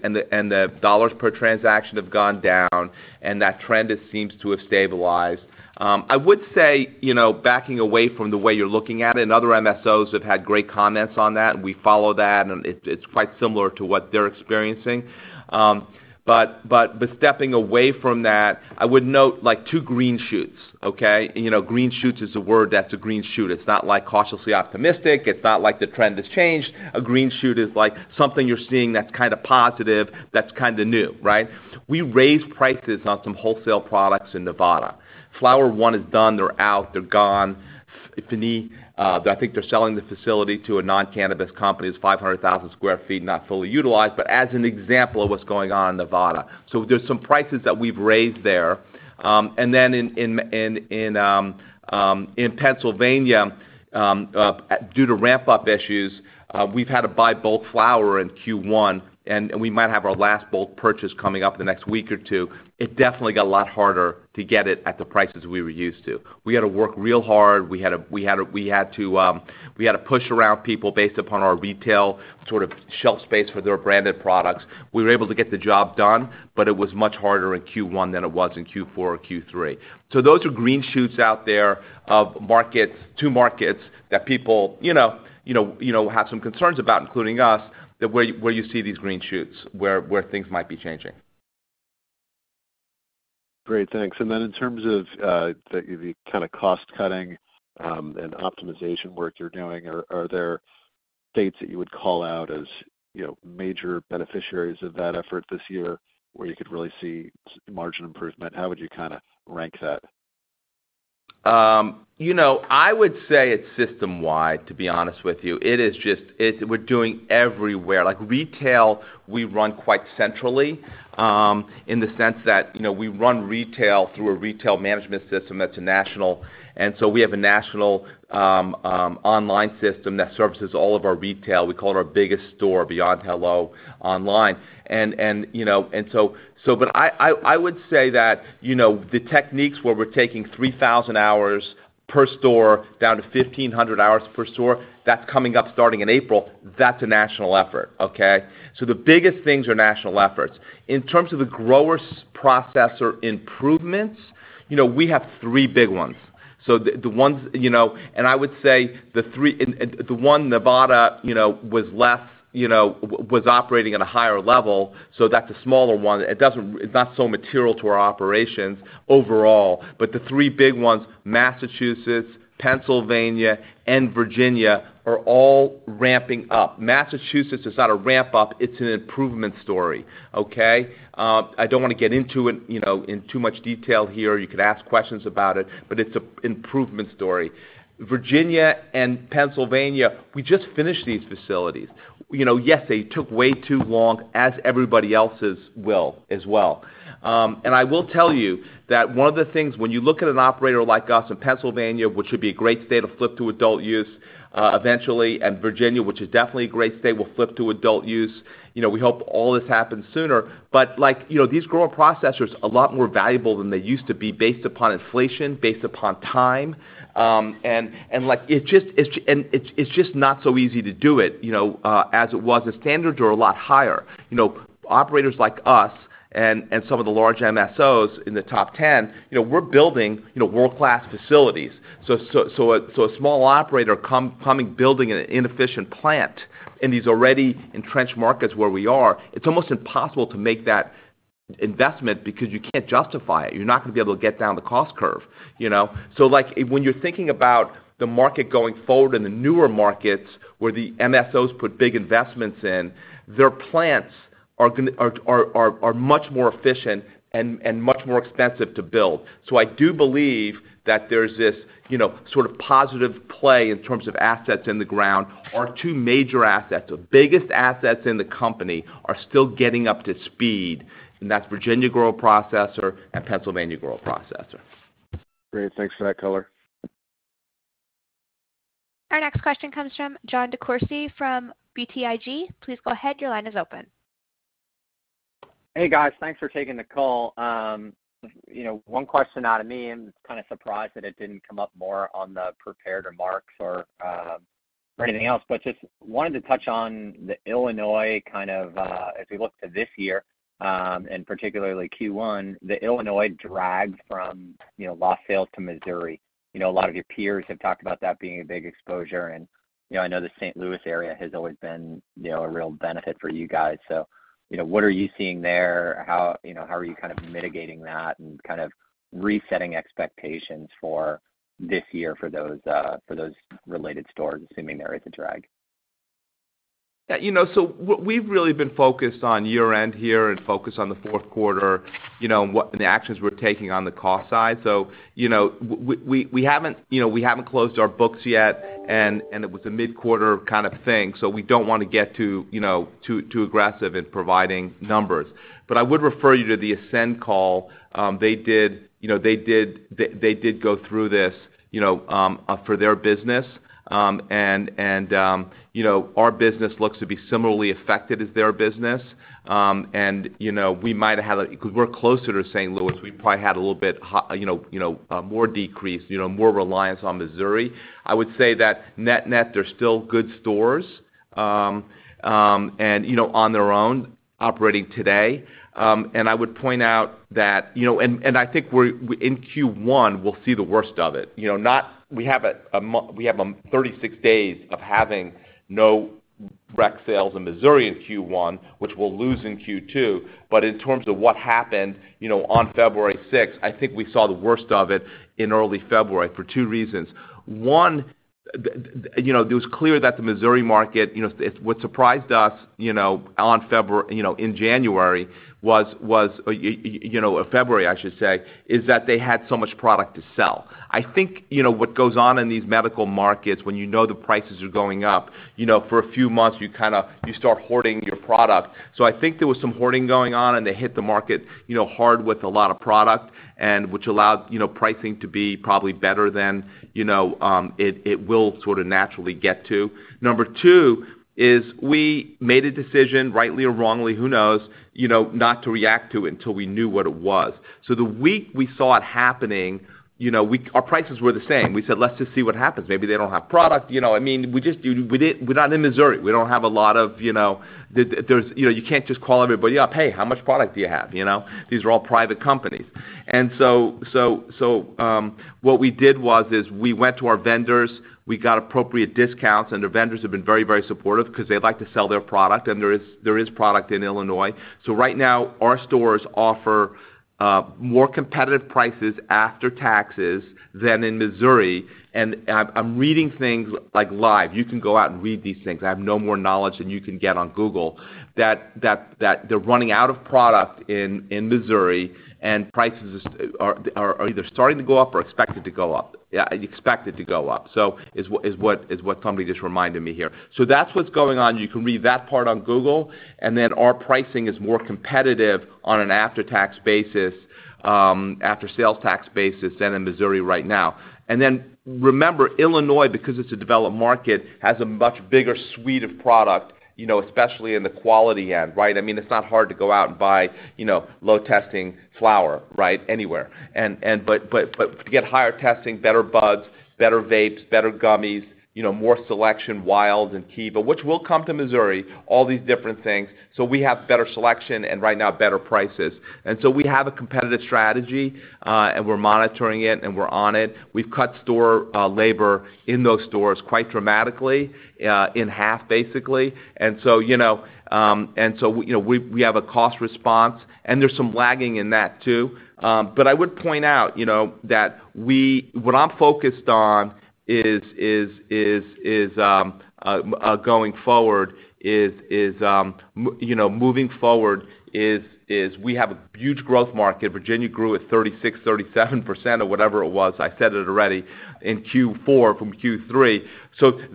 $ per transaction have gone down, and that trend seems to have stabilized. I would say, you know, backing away from the way you're looking at it, and other MSOs have had great comments on that, and we follow that, and it's quite similar to what they're experiencing. Stepping away from that, I would note, like, two green shoots, okay? You know, green shoots is a word. That's a green shoot. It's not, like, cautiously optimistic. It's not like the trend has changed. A green shoot is, like, something you're seeing that's kind of positive, that's kind of new, right? We raised prices on some wholesale products in Nevada. Flower One is done. They're out. They're gone. If any, I think they're selling the facility to a non-cannabis company. It's 500,000 square feet, not fully utilized, but as an example of what's going on in Nevada. There's some prices that we've raised there. Then in Pennsylvania, due to ramp-up issues, we've had to buy bulk flower in Q1, and we might have our last bulk purchase coming up in the next week or two. It definitely got a lot harder to get it at the prices we were used to. We had to work real hard. We had to push around people based upon our retail, sort of shelf space for their branded products. We were able to get the job done, but it was much harder in Q1 than it was in Q4 or Q3. Those are green shoots out there of markets, two markets that people, you know, have some concerns about, including us, that where you see these green shoots, where things might be changing. Great. Thanks. Then in terms of the kinda cost-cutting and optimization work you're doing, are there states that you would call out as, you know, major beneficiaries of that effort this year, where you could really see margin improvement? How would you kinda rank that? You know, I would say it's system-wide, to be honest with you. It is just, we're doing everywhere. Like, retail, we run quite centrally, in the sense that, you know, we run retail through a retail management system that's a national. We have a national online system that services all of our retail. We call it our biggest store Beyond Hello online. But I would say that, you know, the techniques where we're taking 3,000 hours per store down to 1,500 hours per store, that's coming up starting in April, that's a national effort, okay? The biggest things are national efforts. In terms of the Grower-Processor improvements, you know, we have three big ones. The ones, you know, and I would say the 3... The one, Nevada, you know, was less, you know, was operating at a higher level, so that's a smaller one. It doesn't, it's not so material to our operations overall. The three big ones, Massachusetts, Pennsylvania, and Virginia, are all ramping up. Massachusetts is not a ramp-up, it's an improvement story, okay? I don't wanna get into it, you know, in too much detail here. You could ask questions about it, but it's a improvement story. Virginia and Pennsylvania, we just finished these facilities. You know, yes, they took way too long, as everybody else's will as well. I will tell you that one of the things when you look at an operator like us in Pennsylvania, which should be a great state of flip to adult use, eventually, and Virginia, which is definitely a great state, will flip to adult use, you know, we hope all this happens sooner. You know, these Grower-Processors are a lot more valuable than they used to be based upon inflation, based upon time. It's just not so easy to do it, you know, as it was. The standards are a lot higher. You know, operators like us and some of the large MSOs in the top 10, you know, we're building, you know, world-class facilities. A small operator coming, building an inefficient plant in these already entrenched markets where we are, it's almost impossible to make that investment because you can't justify it. You're not gonna be able to get down the cost curve, you know. Like when you're thinking about the market going forward in the newer markets where the MSOs put big investments in, their plants are much more efficient and much more expensive to build. I do believe that there's this, you know, sort of positive play in terms of assets in the ground. Our two major assets, the biggest assets in the company are still getting up to speed, and that's Virginia grow processor and Pennsylvania grow processor. Great. Thanks for that color. Our next question comes from Jon DeCourcey from BTIG. Please go ahead. Your line is open. Hey, guys. Thanks for taking the call. You know, one question out of me, and kind of surprised that it didn't come up more on the prepared remarks or anything else, but just wanted to touch on the Illinois kind of, if we look to this year, and particularly Q1, the Illinois drag from, you know, loss sales to Missouri. You know, a lot of your peers have talked about that being a big exposure and, you know, I know the St. Louis area has always been, you know, a real benefit for you guys. You know, what are you seeing there? How, you know, how are you kind of mitigating that and kind of resetting expectations for this year for those, for those related stores, assuming there is a drag? Yeah, you know, we've really been focused on year-end here and focused on the fourth quarter, you know, and what the actions we're taking on the cost side. You know, we haven't, you know, we haven't closed our books yet, and it was a mid-quarter kind of thing, so we don't wanna get too, you know, aggressive in providing numbers. I would refer you to the Ascend call. They did, you know, they did go through this, you know, for their business. And, you know, our business looks to be similarly affected as their business. And, you know, we might have had 'cause we're closer to St. Louis, we probably had a little bit, you know, you know, more decrease, you know, more reliance on Missouri. I would say that net-net, they're still good stores, you know, on their own operating today. I would point out that, you know, and I think we're in Q1, we'll see the worst of it. You know, We have a, we have 36 days of having no rec sales in Missouri in Q1, which we'll lose in Q2. In terms of what happened, you know, on February 6th, I think we saw the worst of it in early February for two reasons. One, you know, it was clear that the Missouri market, you know, it's what surprised us, you know, in January, you know, February, I should say, is that they had so much product to sell. I think, you know, what goes on in these medical markets when you know the prices are going up, you know, for a few months, you kinda, you start hoarding your product. I think there was some hoarding going on, and they hit the market, you know, hard with a lot of product and which allowed, you know, pricing to be probably better than, you know, it will sort of naturally get to. Number two is we made a decision, rightly or wrongly, who knows, you know, not to react to it until we knew what it was. The week we saw it happening, you know, our prices were the same. We said, "Let's just see what happens. Maybe they don't have product." You know, I mean, we just, we didn't, we're not in Missouri. We don't have a lot of, you know, there's, you know, you can't just call everybody up, "Hey, how much product do you have?" You know. These are all private companies. What we did was is we went to our vendors, we got appropriate discounts, and the vendors have been very, very supportive because they'd like to sell their product, and there is, there is product in Illinois. Right now, our stores offer more competitive prices after taxes than in Missouri. I'm reading things like live. You can go out and read these things. I have no more knowledge than you can get on Google that they're running out of product in Missouri and prices are either starting to go up or expected to go up. Yeah, expected to go up, so is what Tommy just reminded me here. That's what's going on. You can read that part on Google, our pricing is more competitive on an after-tax basis, after sales tax basis than in Missouri right now. Remember, Illinois, because it's a developed market, has a much bigger suite of product, you know, especially in the quality end, right? I mean, it's not hard to go out and buy, you know, low testing flower, right? Anywhere. But to get higher testing, better buds, better vapes, better gummies, you know, more selection, Wild and Kiva, which will come to Missouri, all these different things. So we have better selection and right now better prices. So we have a competitive strategy, and we're monitoring it, and we're on it. We've cut store labor in those stores quite dramatically, in half, basically. You know, and so, you know, we have a cost response and there's some lagging in that too. I would point out, you know, What I'm focused on is going forward, you know, moving forward is we have a huge growth market. Virginia grew at 36%, 37% or whatever it was, I said it already, in Q4 from Q3.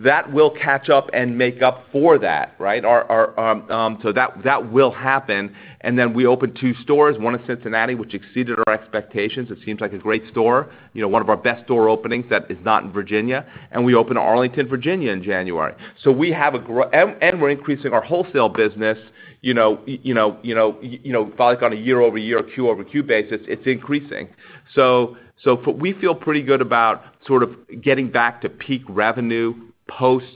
That will catch up and make up for that, right? Our, so that will happen. Then we opened 2 stores, one in Cincinnati, which exceeded our expectations. It seems like a great store. You know, one of our best store openings that is not in Virginia. We opened Arlington, Virginia in January. We have a grow. We're increasing our wholesale business, you know, like on a year-over-year, quarter-over-quarter basis, it's increasing. We feel pretty good about sort of getting back to peak revenue post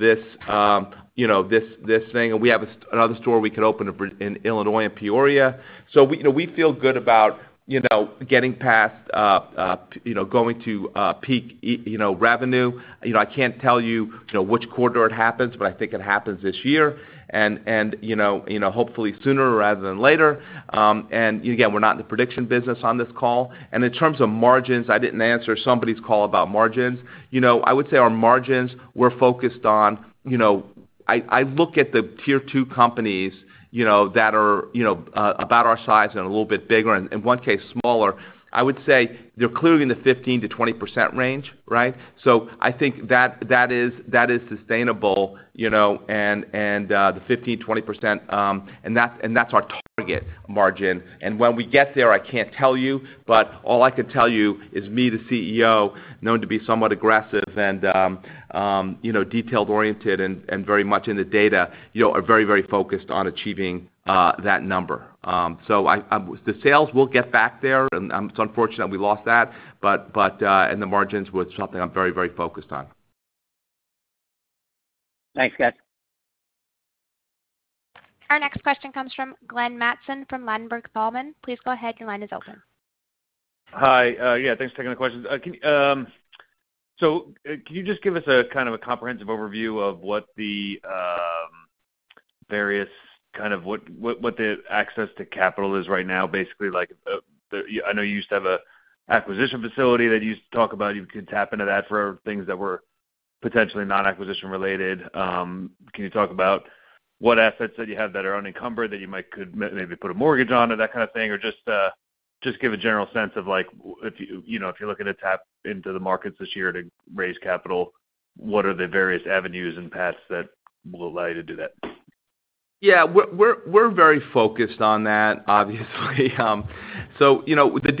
this thing. We have another store we could open up in Illinois, in Peoria. We, you know, we feel good about, you know, getting past, you know, going to peak, you know, revenue. You know, I can't tell you, which quarter it happens, but I think it happens this year and you know, hopefully sooner rather than later. Again, we're not in the prediction business on this call. In terms of margins, I didn't answer somebody's call about margins. You know, I would say our margins, we're focused on. You know, I look at the tier 2 companies, you know, that are, you know, about our size and a little bit bigger and in 1 case smaller, I would say they're clearly in the 15%-20% range, right? I think that is, that is sustainable, you know, and the 15%, 20%, and that's, and that's our target margin. When we get there, I can't tell you, but all I can tell you is me, the CEO, known to be somewhat aggressive and, you know, detailed oriented and very much in the data, you know, are very, very focused on achieving that number. I... The sales will get back there and I'm so unfortunate we lost that, but, the margins was something I'm very, very focused on. Thanks, guys. Our next question comes from Glenn Matson from Ladenburg Thalmann. Please go ahead, your line is open. Hi. Yeah, thanks for taking the questions. Can you just give us a kind of a comprehensive overview of what the various kind of what the access to capital is right now? Basically, like, I know you used to have a acquisition facility that you used to talk about. You could tap into that for things that were potentially non-acquisition related. Can you talk about what assets that you have that are unencumbered that you might could maybe put a mortgage on or that kind of thing? Just give a general sense of like, if, you know, if you're looking to tap into the markets this year to raise capital, what are the various avenues and paths that will allow you to do that? Yeah. We're very focused on that, obviously. You know, in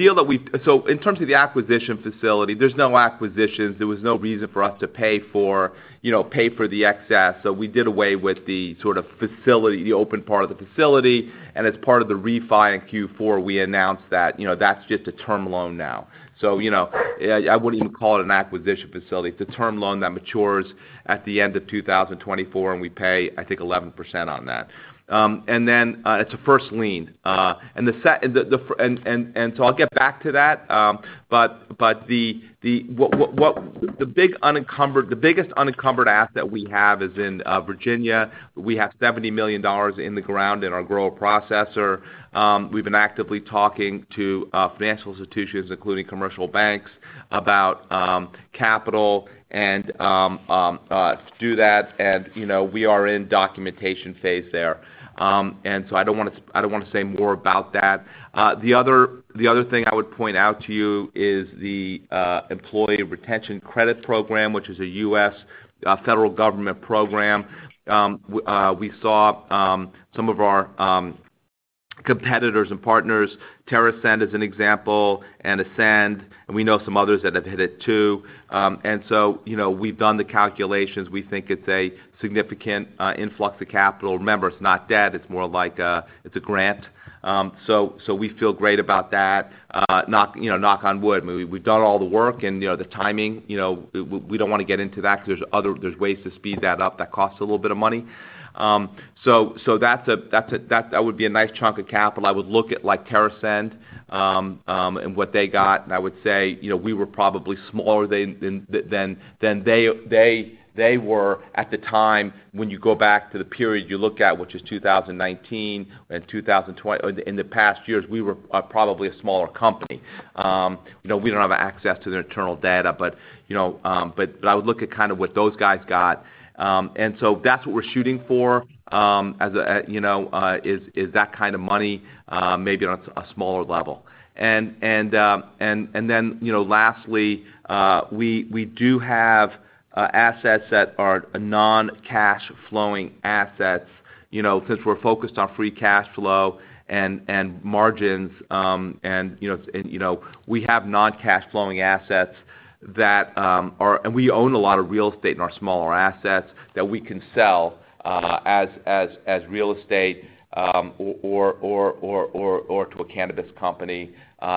terms of the acquisition facility, there's no acquisitions, there was no reason for us to pay for, you know, pay for the excess. We did away with the sort of facility, the open part of the facility. As part of the refi in Q4, we announced that, you know, that's just a term loan now. You know, I wouldn't even call it an acquisition facility. It's a term loan that matures at the end of 2024, and we pay, I think, 11% on that. It's a first lien. I'll get back to that. The biggest unencumbered asset that we have is in Virginia. We have $70 million in the ground in our grower processor. We've been actively talking to financial institutions, including commercial banks, about capital to do that and, you know, we are in documentation phase there. I don't wanna say more about that. The other thing I would point out to you is the Employee Retention Credit program, which is a U.S. federal government program. We saw some of our competitors and partners, TerrAscend is an example, and Ascend, and we know some others that have hit it too. You know, we've done the calculations. We think it's a significant influx of capital. Remember, it's not debt, it's more of like, it's a grant. We feel great about that. You know, knock on wood. We've done all the work and, you know, the timing, you know, we don't wanna get into that because there's ways to speed that up that cost a little bit of money. That's a, that would be a nice chunk of capital. I would look at like TerrAscend, and what they got, and I would say, you know, we were probably smaller than they were at the time when you go back to the period you look at, which is 2019 or in the past years, we were, probably a smaller company. You know, we don't have access to their internal data, but, you know, but I would look at kind of what those guys got. That's what we're shooting for, as a, you know, is that kind of money, maybe on a smaller level. Then, you know, lastly, we do have assets that are non-cash flowing assets. You know, since we're focused on free cash flow and margins, and, you know, and you know, we have non-cash flowing assets that are. We own a lot of real estate in our smaller assets that we can sell, as real estate, or to a cannabis company,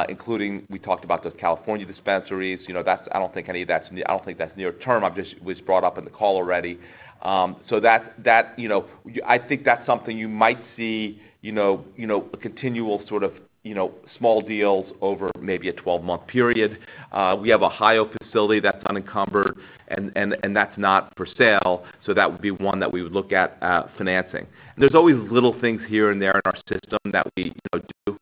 including we talked about those California dispensaries. You know, I don't think any of that's I don't think that's near term. It was brought up in the call already. That, you know, I think that's something you might see, you know, you know, a continual sort of, you know, small deals over maybe a 12-month period. We have a Ohio facility that's unencumbered and that's not for sale, that would be one that we would look at financing. There's always little things here and there in our system that we, you know, do.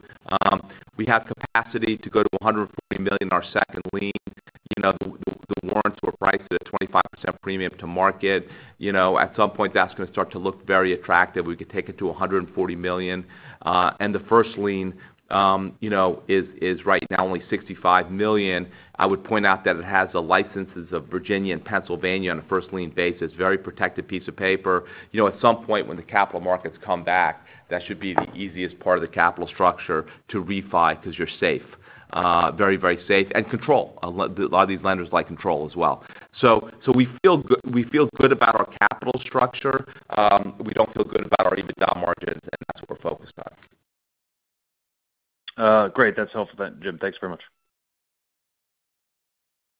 We have capacity to go to $140 million our second lien. You know, the warrants were priced at a 25% premium to market. You know, at some point that's gonna start to look very attractive. We could take it to $140 million. The first lien, you know, is right now only $65 million. I would point out that it has the licenses of Virginia and Pennsylvania on a first lien basis. Very protected piece of paper. You know, at some point when the capital markets come back, that should be the easiest part of the capital structure to refi because you're safe. Very, very safe and control. lot of these lenders like control as well. We feel good about our capital structure. We don't feel good about our EBITDA margins, and that's what we're focused on. Great. That's helpful, Jim. Thanks very much.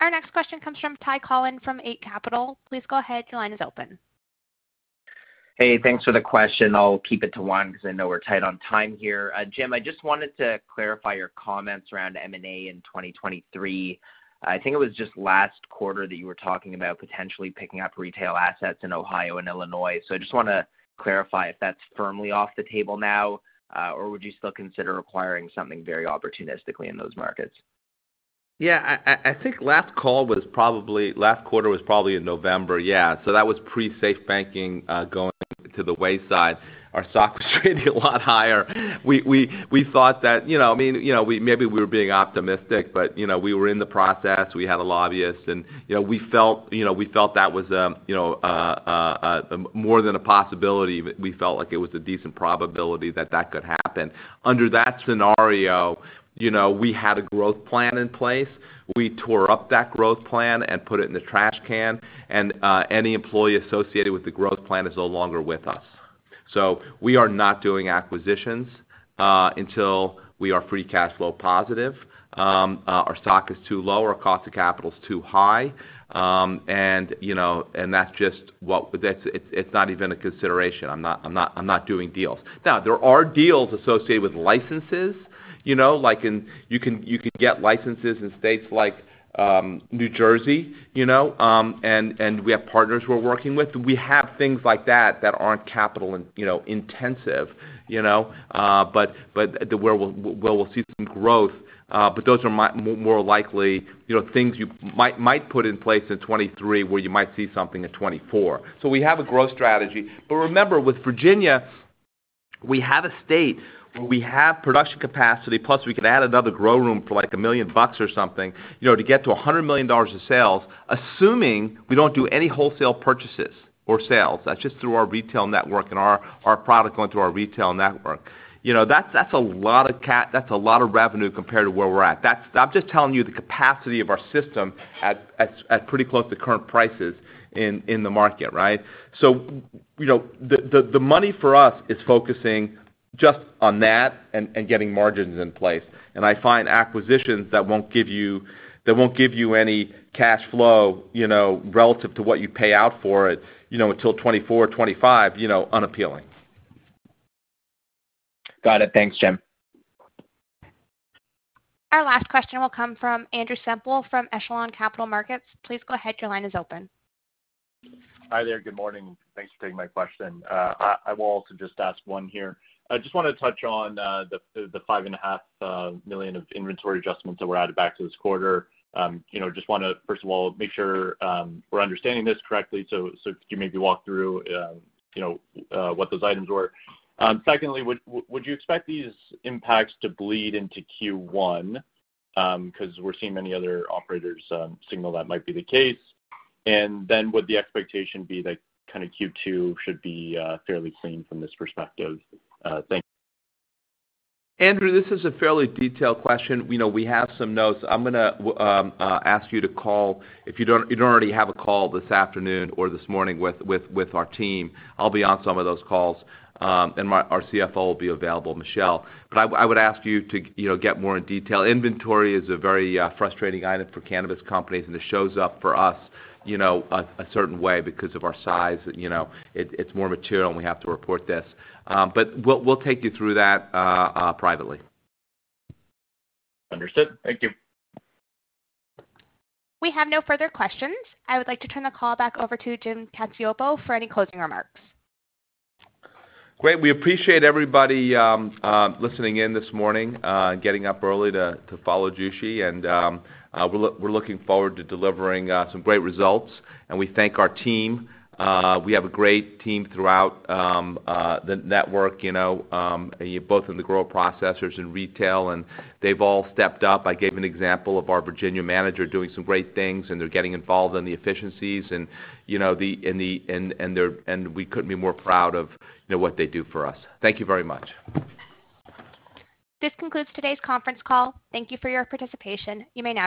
Our next question comes from Ty Collin from Eight Capital. Please go ahead. Your line is open. Hey, thanks for the question. I'll keep it to 1 because I know we're tight on time here. Jim, I just wanted to clarify your comments around M&A in 2023. I think it was just last quarter that you were talking about potentially picking up retail assets in Ohio and Illinois. I just wanna clarify if that's firmly off the table now, or would you still consider acquiring something very opportunistically in those markets? I think last call was probably last quarter was probably in November. Yeah. That was pre-SAFE Banking, going to the wayside. Our stock was trading a lot higher. We thought that, you know, I mean, you know, maybe we were being optimistic, but, you know, we were in the process. We had a lobbyist and, you know, we felt, you know, we felt that was, you know, more than a possibility. We felt like it was a decent probability that that could happen. Under that scenario, you know, we had a growth plan in place. We tore up that growth plan and put it in the trash can and any employee associated with the growth plan is no longer with us. We are not doing acquisitions until we are free cash flow positive. Our stock is too low, our cost of capital is too high. you know, it's not even a consideration. I'm not doing deals. Now, there are deals associated with licenses, you know, like you can get licenses in states like New Jersey, you know, and we have partners we're working with. We have things like that that aren't capital intensive, you know, but where we'll see some growth. Those are more likely, you know, things you might put in place in 2023, where you might see something in 2024. We have a growth strategy. Remember, with Virginia, we have a state where we have production capacity, plus we could add another grow room for like $1 million or something, you know, to get to $100 million in sales, assuming we don't do any wholesale purchases or sales. That's just through our retail network and our product going through our retail network. You know, that's a lot of revenue compared to where we're at. I'm just telling you the capacity of our system at, at pretty close to current prices in the market, right? You know, the, the money for us is focusing just on that and getting margins in place. I find acquisitions that won't give you any cash flow, you know, relative to what you pay out for it, you know, until 2024, 2025, you know, unappealing. Got it. Thanks, Jim. Our last question will come from Andrew Semple from Echelon Capital Markets. Please go ahead. Your line is open. Hi there. Good morning. Thanks for taking my question. I will also just ask one here. I just want to touch on the five and a half million of inventory adjustments that were added back to this quarter. You know, just want to, first of all, make sure we're understanding this correctly. So could you maybe walk through, you know, what those items were? Secondly, would you expect these impacts to bleed into Q1? Because we're seeing many other operators signal that might be the case. Then would the expectation be that kind of Q2 should be fairly clean from this perspective? Thank you. Andrew, this is a fairly detailed question. You know, we have some notes. I'm gonna ask you to call. If you don't already have a call this afternoon or this morning with our team, I'll be on some of those calls, and our CFO will be available, Michelle. I would ask you to, you know, get more in detail. Inventory is a very frustrating item for cannabis companies, and it shows up for us, you know, a certain way because of our size. You know, it's more material, and we have to report this. We'll take you through that privately. Understood. Thank you. We have no further questions. I would like to turn the call back over to Jim Cacioppo for any closing remarks. Great. We appreciate everybody listening in this morning, getting up early to follow Jushi. We're looking forward to delivering some great results. We thank our team. We have a great team throughout the network, you know, both in the grow processors and retail, and they've all stepped up. I gave an example of our Virginia manager doing some great things, and they're getting involved in the efficiencies and, you know, the and we couldn't be more proud of, you know, what they do for us. Thank you very much. This concludes today's conference call. Thank you for your participation. You may.